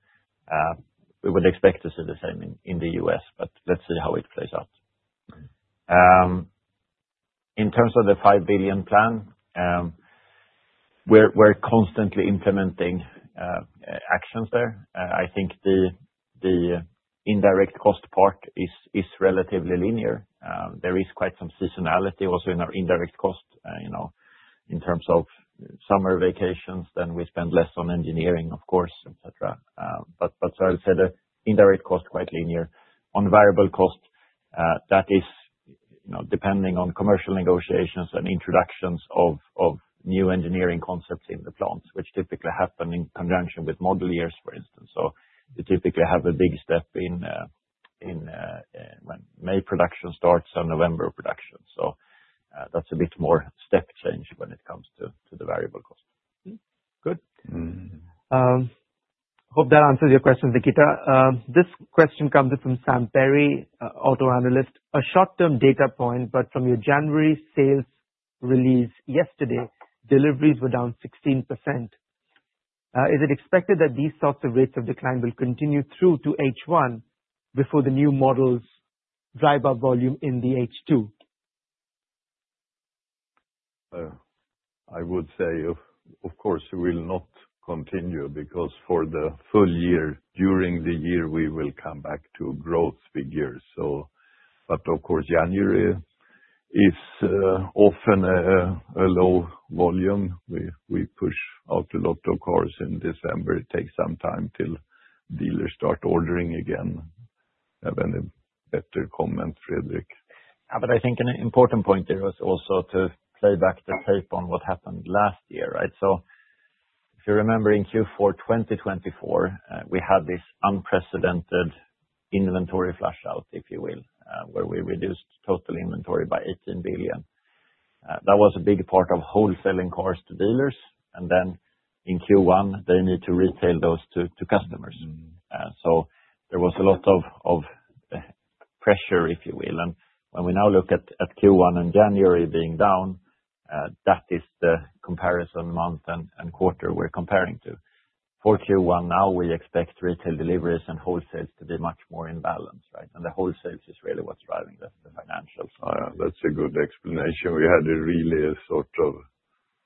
we would expect to see the same in the US, but let's see how it plays out. In terms of the 5 billion plan, we're constantly implementing actions there. I think the indirect cost part is relatively linear. There is quite some seasonality also in our indirect cost, you know, in terms of summer vacations, then we spend less on engineering, of course, et cetera. But so I'll say the indirect cost, quite linear. On variable cost, that is, you know, depending on commercial negotiations and introductions of new engineering concepts in the plants, which typically happen in conjunction with model years, for instance. So you typically have a big step in when May production starts and November production. That's a bit more step change when it comes to the variable cost. Mm-hmm. Good. Mm-hmm. Hope that answers your question, Nikita. This question comes in from Sam Perry, auto analyst. A short-term data point, but from your January sales release yesterday, deliveries were down 16%. Is it expected that these sorts of rates of decline will continue through to H1 before the new models drive up volume in the H2? I would say, of course, will not continue, because for the full year, during the year, we will come back to growth figures. So, but of course, January is often a low volume. We push out a lot of cars in December. It takes some time till dealers start ordering again. Have any better comment, Fredrik? But I think an important point there is also to play back the tape on what happened last year, right? So if you remember, in Q4 2024, we had this unprecedented inventory flush out, if you will, where we reduced total inventory by 18 billion. That was a big part of wholesaling cars to dealers, and then in Q1, they need to retail those to customers. Mm-hmm. So there was a lot of pressure, if you will, and when we now look at Q1 and January being down, that is the comparison month and quarter we're comparing to. For Q1 now, we expect retail deliveries and wholesales to be much more in balance, right? And the wholesales is really what's driving the financial side. That's a good explanation. We had a really sort of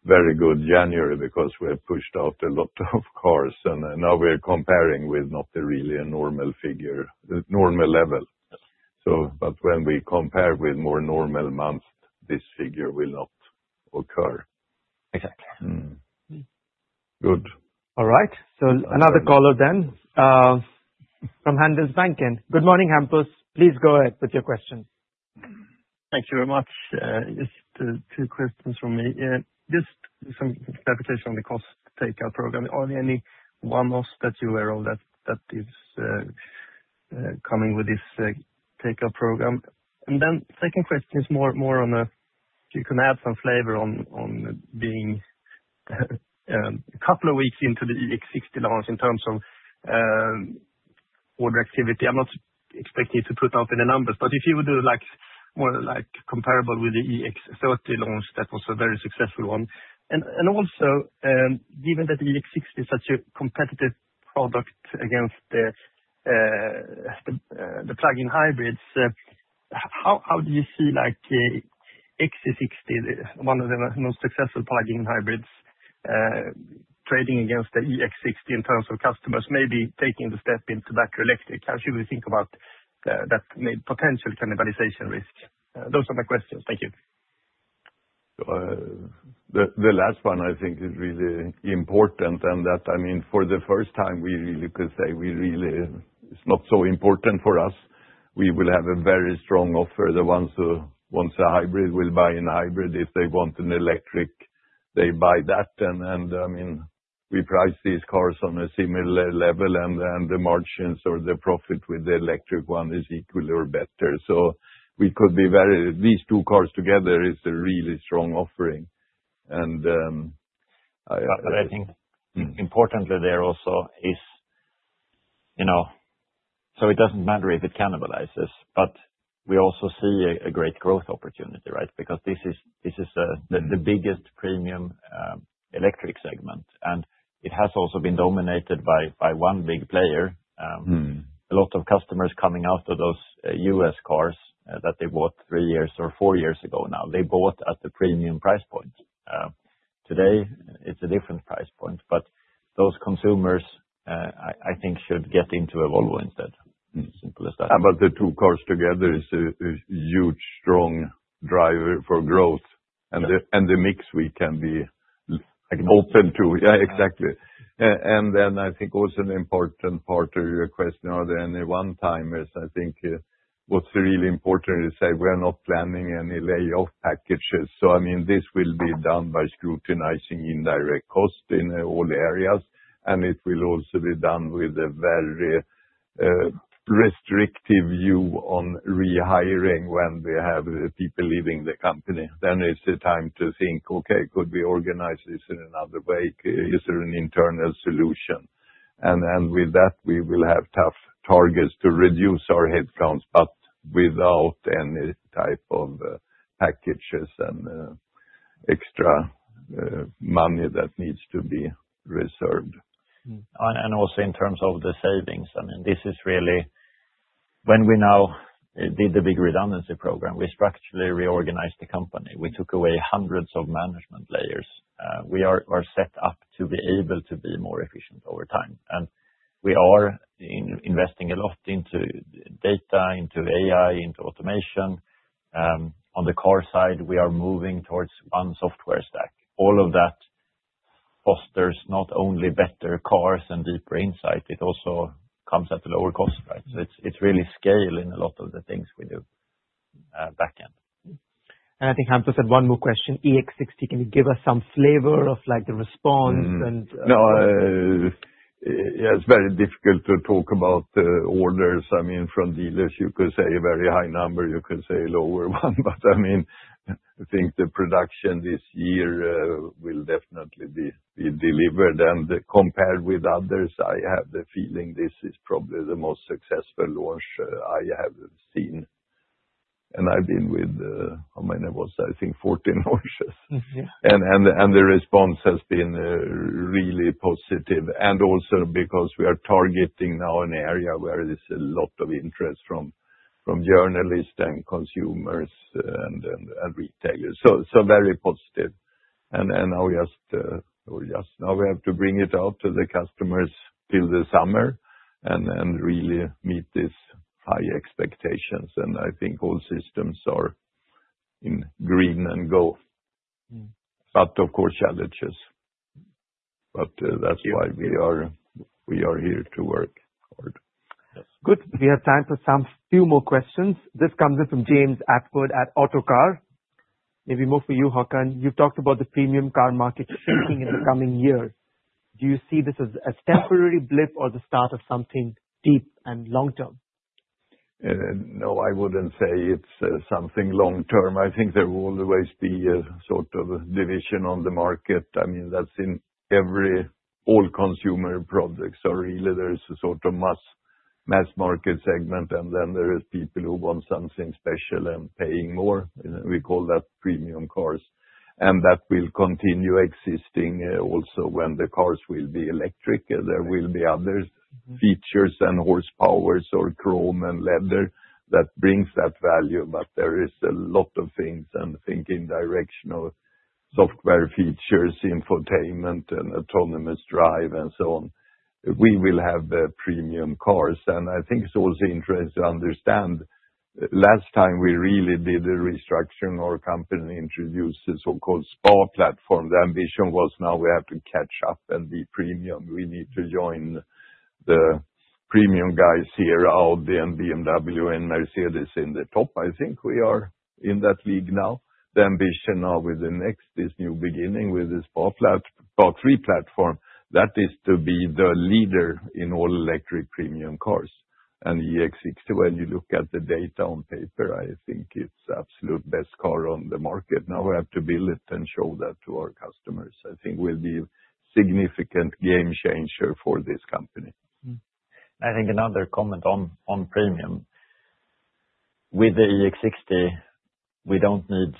very good January because we had pushed out a lot of cars, and now we're comparing with not really a normal figure, the normal level. Yes. When we compare with more normal months, this figure will not occur. Exactly. Mm. Good. All right, so another caller then, from Handelsbanken. Good morning, Hampus. Please go ahead with your questions. Thank you very much. Just two questions from me. Just some clarification on the cost takeout program. Are there any one-offs that you are aware of that is coming with this takeout program? And then second question is more on a—if you can add some flavor on being a couple of weeks into the EX60 launch in terms of order activity. I'm not expecting you to put out any numbers, but if you would do, like, more like comparable with the EX30 launch, that was a very successful one. Given that the EX60 is such a competitive product against the plug-in hybrids, how do you see, like, the XC60, one of the most successful plug-in hybrids, trading against the EX60 in terms of customers maybe taking the step into that electric? How should we think about that potential cannibalization risk? Those are my questions. Thank you. The last one I think is really important, and that, I mean, for the first time, we really could say we really. It's not so important for us. We will have a very strong offer. The ones who wants a hybrid will buy a hybrid. If they want an electric, they buy that. And, I mean, we price these cars on a similar level, and then, the margins or the profit with the electric one is equal or better. So we could be very—these two cars together is a really strong offering. And, I, I- But I think importantly there also is, you know, so it doesn't matter if it cannibalizes, but we also see a great growth opportunity, right? Because this is the biggest premium electric segment, and it has also been dominated by one big player. Mm. A lot of customers coming out of those, U.S. cars, that they bought 3 years or 4 years ago now. They bought at the premium price point. Today, it's a different price point, but those consumers, I, I think, should get into a Volvo instead. Simple as that. But the two cars together is a huge, strong driver for growth. Yeah. And the mix we can be- Agreed Open to. Yeah, exactly. And then I think also an important part of your question, are there any one-timers? I think, what's really important is say: We're not planning any layoff packages. So, I mean, this will be done by scrutinizing indirect costs in all areas, and it will also be done with a very, restrictive view on rehiring when we have people leaving the company. Then it's the time to think: Okay, could we organize this in another way? Is there an internal solution? And with that, we will have tough targets to reduce our headcounts, but without any type of, packages and, extra, money that needs to be reserved. Also in terms of the savings, I mean, this is really... When we now did the big redundancy program, we structurally reorganized the company. We took away hundreds of management layers. We are set up to be able to be more efficient over time. And we are investing a lot into data, into AI, into automation. On the car side, we are moving towards one software stack. All of that fosters not only better cars and deeper insight, it also comes at a lower cost, right? So it's really scaling a lot of the things we do, back end. I think Hampus had one more question. EX60, can you give us some flavor of, like, the response and No, it's very difficult to talk about the orders. I mean, from dealers, you could say a very high number, you could say a lower one. But I mean, I think the production this year will definitely be delivered. And compared with others, I have the feeling this is probably the most successful launch I have seen. And I've been with, how many was that? I think 14 launches. Mm-hmm. Yeah. The response has been really positive, and also because we are targeting now an area where there's a lot of interest from journalists and consumers and retailers. So very positive. Now we just, well, just now we have to bring it out to the customers till the summer and really meet these high expectations. I think all systems are in green and go. Mm. But of course, challenges. But, that's why we are, we are here to work hard. Good. We have time for few more questions. This comes in from James Attwood at Autocar. Maybe more for you, Håkan. You talked about the premium car market shrinking in the coming years. Do you see this as a temporary blip or the start of something deep and long term? No, I wouldn't say it's something long term. I think there will always be a sort of division on the market. I mean, that's in every... all consumer products, so really there is a sort of mass-... mass market segment, and then there is people who want something special and paying more, we call that premium cars. And that will continue existing, also, when the cars will be electric, there will be other features and horsepowers or chrome and leather that brings that value. But there is a lot of things and thinking direction of software features, infotainment, and autonomous drive, and so on. We will have premium cars, and I think it's also interesting to understand, last time we really did a restructuring, our company introduced a so-called SPA platform. The ambition was now we have to catch up and be premium. We need to join the premium guys here, Audi and BMW and Mercedes in the top. I think we are in that league now. The ambition now with the next, this new beginning, with the SPA3 platform, that is to be the leader in all-electric premium cars. And EX60, when you look at the data on paper, I think it's the absolute best car on the market. Now we have to build it and show that to our customers. I think will be significant game changer for this company. I think another comment on premium. With the EX60, we don't need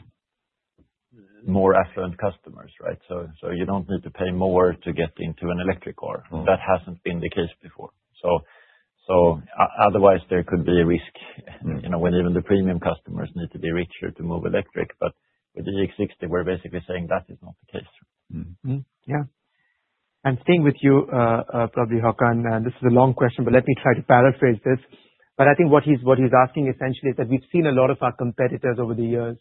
more affluent customers, right? So you don't need to pay more to get into an electric car. That hasn't been the case before, so otherwise, there could be a risk, you know, when even the premium customers need to be richer to move electric. But with the EX60, we're basically saying that is not the case. Mm-hmm. Yeah. And staying with you, probably Håkan, and this is a long question, but let me try to paraphrase this. But I think what he's, what he's asking essentially, is that we've seen a lot of our competitors over the years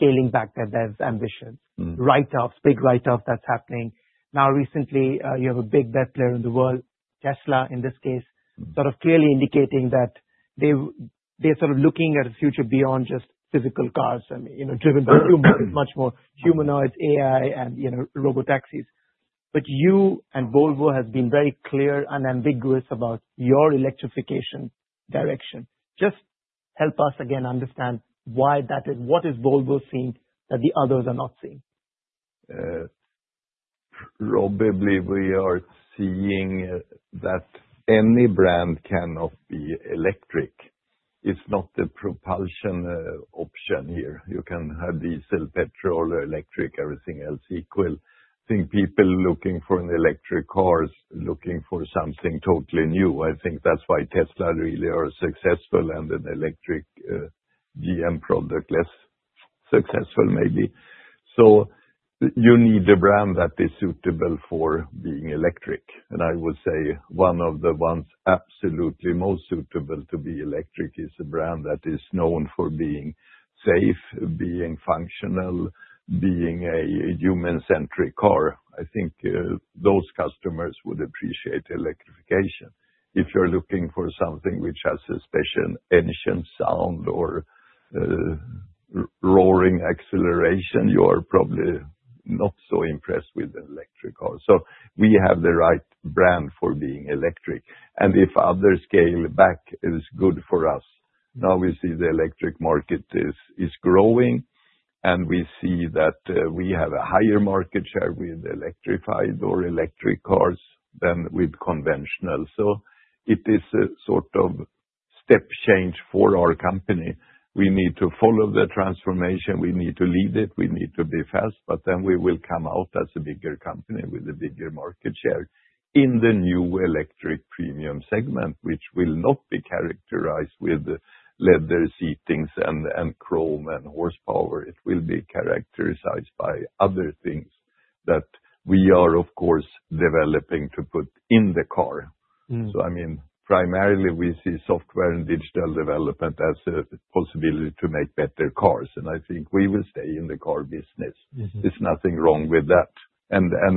scaling back their, their ambitions. Mm. Write-offs, big write-offs, that's happening. Now, recently, you have a big bet player in the world, Tesla in this case- Mm Sort of clearly indicating that they're sort of looking at a future beyond just physical cars and, you know, driven by much more humanoid, AI, and, you know, robotaxis. But you and Volvo have been very clear and unambiguous about your electrification direction. Just help us again understand why that is. What is Volvo seeing that the others are not seeing? Probably we are seeing that any brand cannot be electric. It's not a propulsion option here. You can have diesel, petrol, electric, everything else equal. I think people looking for an electric cars, looking for something totally new. I think that's why Tesla really are successful and an electric GM product, less successful, maybe. So you need a brand that is suitable for being electric, and I would say one of the ones absolutely most suitable to be electric is a brand that is known for being safe, being functional, being a human-centric car. I think those customers would appreciate electrification. If you're looking for something which has a special engine sound or roaring acceleration, you are probably not so impressed with an electric car. So we have the right brand for being electric, and if others scale back, it is good for us. Now we see the electric market is growing, and we see that we have a higher market share with electrified or electric cars than with conventional. So it is a sort of step change for our company. We need to follow the transformation, we need to lead it, we need to be fast, but then we will come out as a bigger company with a bigger market share in the new electric premium segment, which will not be characterized with leather seatings and chrome and horsepower. It will be characterized by other things that we are, of course, developing to put in the car. Mm. I mean, primarily we see software and digital development as a possibility to make better cars, and I think we will stay in the car business. Mm-hmm. There's nothing wrong with that.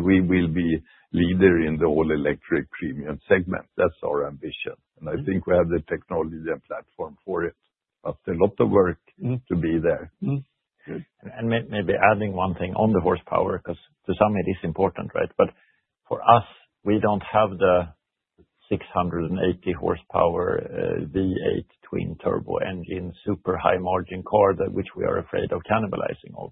We will be leader in the all-electric premium segment. That's our ambition. Mm. and I think we have the technology and platform for it, but a lot of work- Mm To be there. Mm. Good. Maybe adding one thing on the horsepower, 'cause to some it is important, right? But for us, we don't have the 680 horsepower, V8 twin-turbo engine, super high margin car, that which we are afraid of cannibalizing on.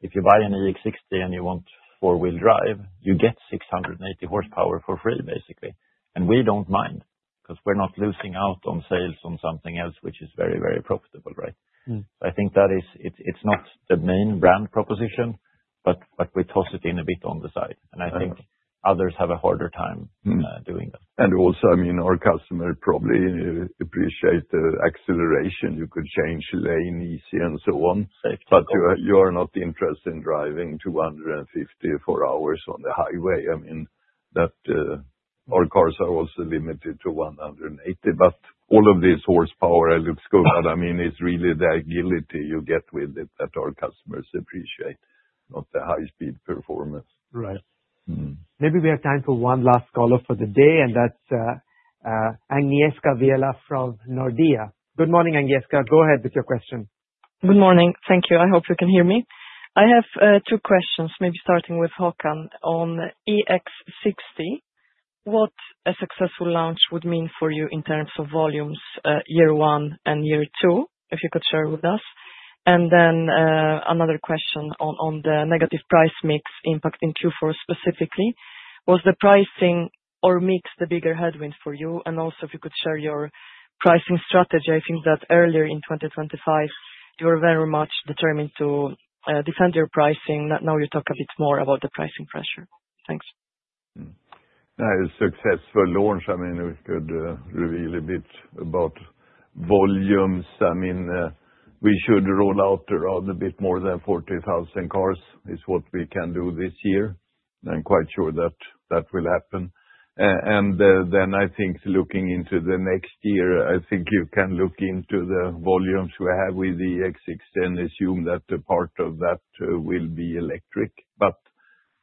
If you buy an EX60 and you want four-wheel drive, you get 680 horsepower for free, basically. And we don't mind, 'cause we're not losing out on sales on something else which is very, very profitable, right? Mm. I think that is... it's not the main brand proposition, but we toss it in a bit on the side. Yeah. I think others have a harder time- Mm - doing that. Also, I mean, our customer probably appreciate the acceleration. You could change lane easy and so on- Safety But you are not interested in driving 250 km/h on the highway. I mean, that, our cars are also limited to 180. But all of this horsepower, as it's going, I mean, is really the agility you get with it, that our customers appreciate, not the high-speed performance. Right. Mm-hmm. Maybe we have time for one last caller for the day, and that's Agnieszka Vilela from Nordea. Good morning, Agnieszka. Go ahead with your question. Good morning. Thank you. I hope you can hear me. I have two questions, maybe starting with Håkan. On EX60, what a successful launch would mean for you in terms of volumes, year one and year two? If you could share with us. And then, another question on the negative price mix impact in Q4 specifically. Was the pricing or mix the bigger headwind for you? And also if you could share your pricing strategy. I think that earlier in 2025, you were very much determined to defend your pricing, but now you talk a bit more about the pricing pressure. Thanks. Now, a successful launch, I mean, we could reveal a bit about volumes. I mean, we should roll out around a bit more than 40,000 cars, is what we can do this year. I'm quite sure that will happen. And then I think looking into the next year, I think you can look into the volumes we have with the EX60 and assume that a part of that will be electric. But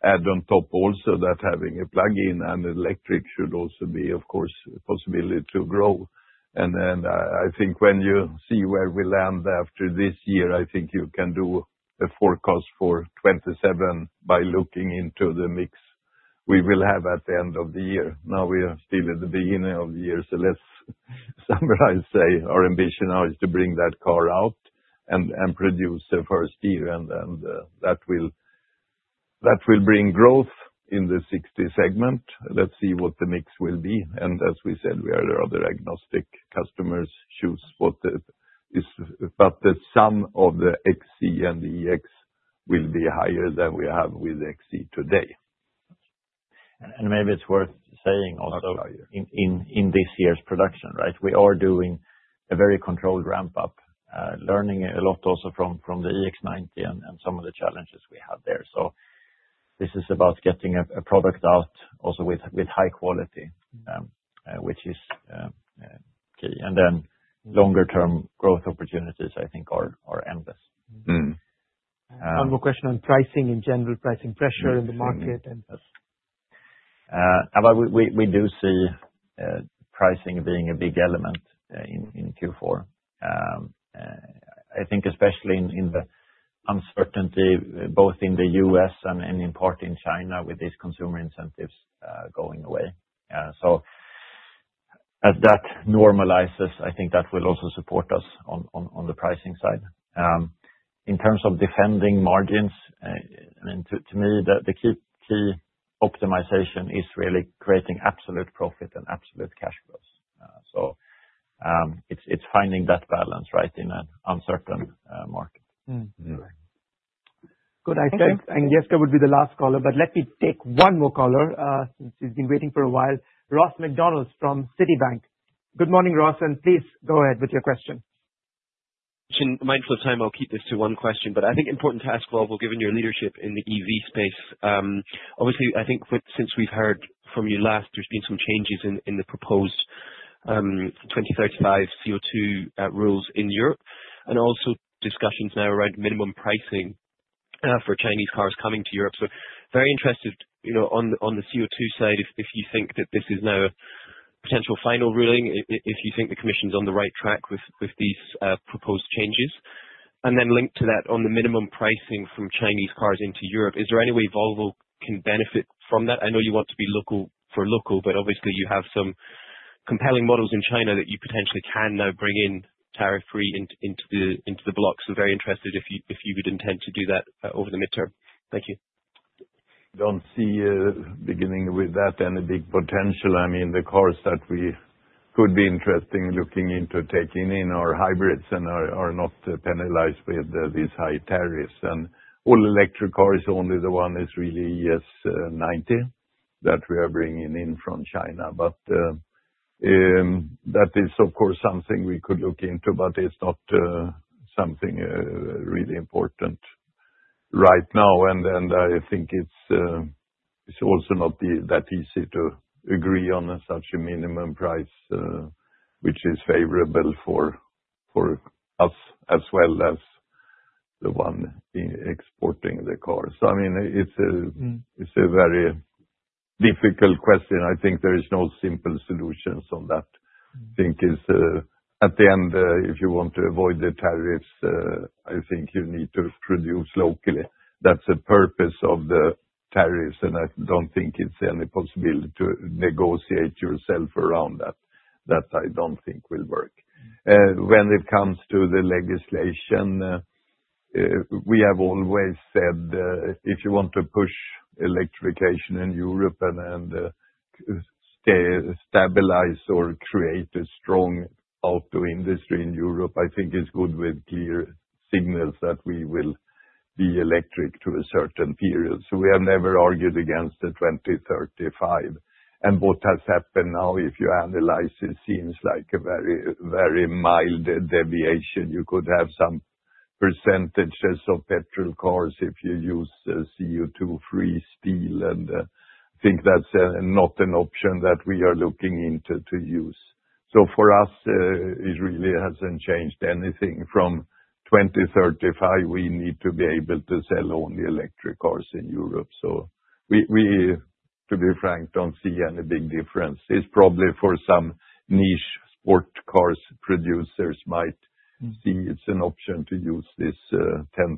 add on top also that having a plug-in and electric should also be, of course, a possibility to grow. And then I think when you see where we land after this year, I think you can do a forecast for 2027 by looking into the mix we will have at the end of the year. Now, we are still at the beginning of the year, so let's summarize, say, our ambition now is to bring that car out and, and produce the first year, and then, that will, that will bring growth in the 60 segment. Let's see what the mix will be, and as we said, we are rather agnostic. Customers choose what is. But the sum of the XC and the EX will be higher than we have with XC today. And maybe it's worth saying also, in this year's production, right? We are doing a very controlled ramp up, learning a lot also from the EX90 and some of the challenges we have there. So this is about getting a product out also with high quality, which is key. And then longer term growth opportunities, I think are endless. Mm. One more question on pricing, in general, pricing pressure in the market, and- We do see pricing being a big element in Q4. I think especially in the uncertainty, both in the US and in part in China with these consumer incentives going away. So as that normalizes, I think that will also support us on the pricing side. In terms of defending margins, I mean, to me, the key optimization is really creating absolute profit and absolute cash flows. So, it's finding that balance, right, in an uncertain market. Mm. Good. I think Jesper would be the last caller, but let me take one more caller, since he's been waiting for a while. Ross MacDonald from Citibank. Good morning, Ross, and please go ahead with your question. Mindful of time, I'll keep this to one question, but I think important to ask, Volvo, given your leadership in the EV space, obviously, I think since we've heard from you last, there's been some changes in the proposed 2035 CO2 rules in Europe, and also discussions now around minimum pricing for Chinese cars coming to Europe. So very interested, you know, on the CO2 side, if you think that this is now a potential final ruling, if you think the commission's on the right track with these proposed changes? And then linked to that, on the minimum pricing from Chinese cars into Europe, is there any way Volvo can benefit from that? I know you want to be local-for-local, but obviously you have some compelling models in China that you potentially can now bring in tariff-free into, into the, into the bloc. So very interested if you, if you would intend to do that, over the midterm. Thank you. I don't see, beginning with that any big potential. I mean, the cars that we could be interested in looking into taking in are hybrids and are not penalized with these high tariffs. And all electric cars, only the one is really EX90, that we are bringing in from China. But that is, of course, something we could look into, but it's not something really important right now. And I think it's also not be that easy to agree on such a minimum price, which is favorable for us, as well as the one exporting the cars. So I mean, it's a- Mm It's a very difficult question. I think there is no simple solutions on that. Think it's, at the end, if you want to avoid the tariffs, I think you need to produce locally. That's the purpose of the tariffs, and I don't think it's any possibility to negotiate yourself around that. That I don't think will work. When it comes to the legislation, we have always said, if you want to push electrification in Europe and then, stabilize or create a strong auto industry in Europe, I think it's good with clear signals that we will be electric to a certain period. So we have never argued against the 2035. And what has happened now, if you analyze, it seems like a very, very mild deviation. You could have some percentages of petrol cars if you use CO2-free steel, and I think that's not an option that we are looking into to use. So for us, it really hasn't changed anything from 2035; we need to be able to sell only electric cars in Europe. So we, we, to be frank, don't see any big difference. It's probably for some niche sport cars producers might think it's an option to use this 10%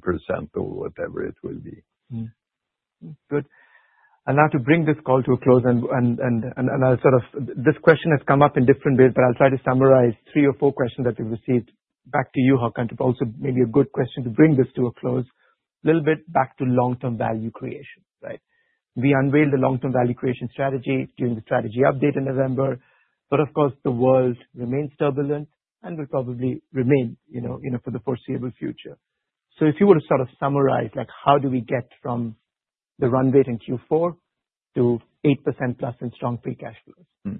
or whatever it will be. Good. Now to bring this call to a close, I'll sort of, this question has come up in different ways, but I'll try to summarize three or four questions that we've received. Back to you, Håkan, but also maybe a good question to bring this to a close, a little bit back to long-term value creation, right? We unveiled the long-term value creation strategy during the strategy update in November, but of course, the world remains turbulent and will probably remain, you know, for the foreseeable future. So if you were to sort of summarize, like, how do we get from the run rate in Q4 to 8%+ and strong free cash flow?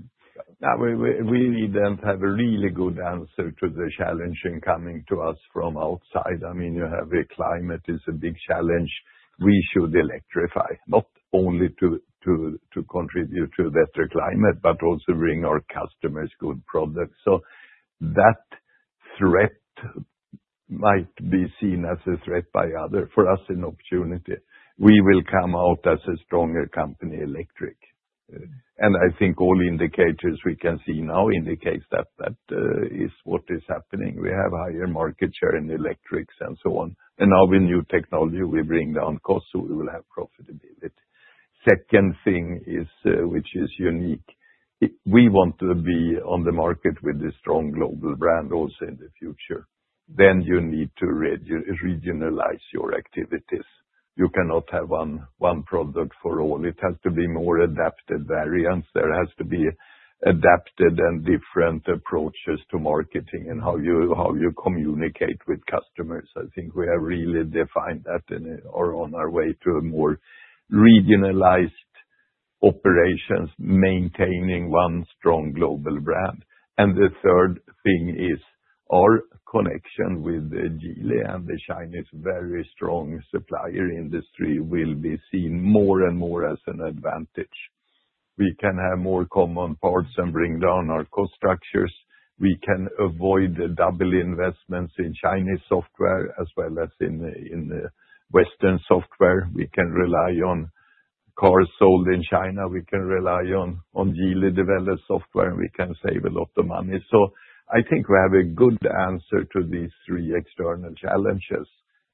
That we then have a really good answer to the challenge incoming to us from outside. I mean, you have the climate is a big challenge. We should electrify, not only to contribute to a better climate, but also bring our customers good products. So that threat might be seen as a threat by other, for us, an opportunity. We will come out as a stronger company, electric. And I think all indicators we can see now indicates that that is what is happening. We have higher market share in electrics and so on, and now with new technology, we bring down costs, so we will have profitability. Second thing is, which is unique, we want to be on the market with a strong global brand also in the future. Then you need to regionalize your activities. You cannot have one, one product for all. It has to be more adapted variants. There has to be adapted and different approaches to marketing and how you, how you communicate with customers. I think we have really defined that and are on our way to a more regionalized operations, maintaining one strong global brand. And the third thing is our connection with the Geely and the Chinese very strong supplier industry will be seen more and more as an advantage. We can have more common parts and bring down our cost structures. We can avoid the double investments in Chinese software as well as in, in the Western software. We can rely on cars sold in China. We can rely on, on Geely-developed software, and we can save a lot of money. I think we have a good answer to these three external challenges,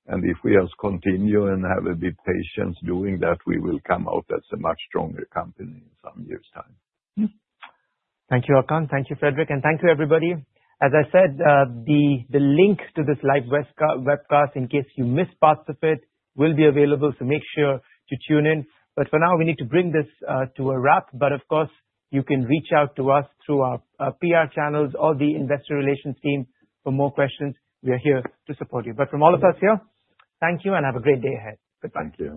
and if we just continue and have a bit patience doing that, we will come out as a much stronger company in some years' time. Thank you, Håkan. Thank you, Fredrik, and thank you, everybody. As I said, the, the link to this live webcast, in case you missed parts of it, will be available, so make sure to tune in. But for now, we need to bring this to a wrap, but of course, you can reach out to us through our PR channels or the investor relations team for more questions. We are here to support you. But from all of us here, thank you and have a great day ahead. Goodbye. Thank you.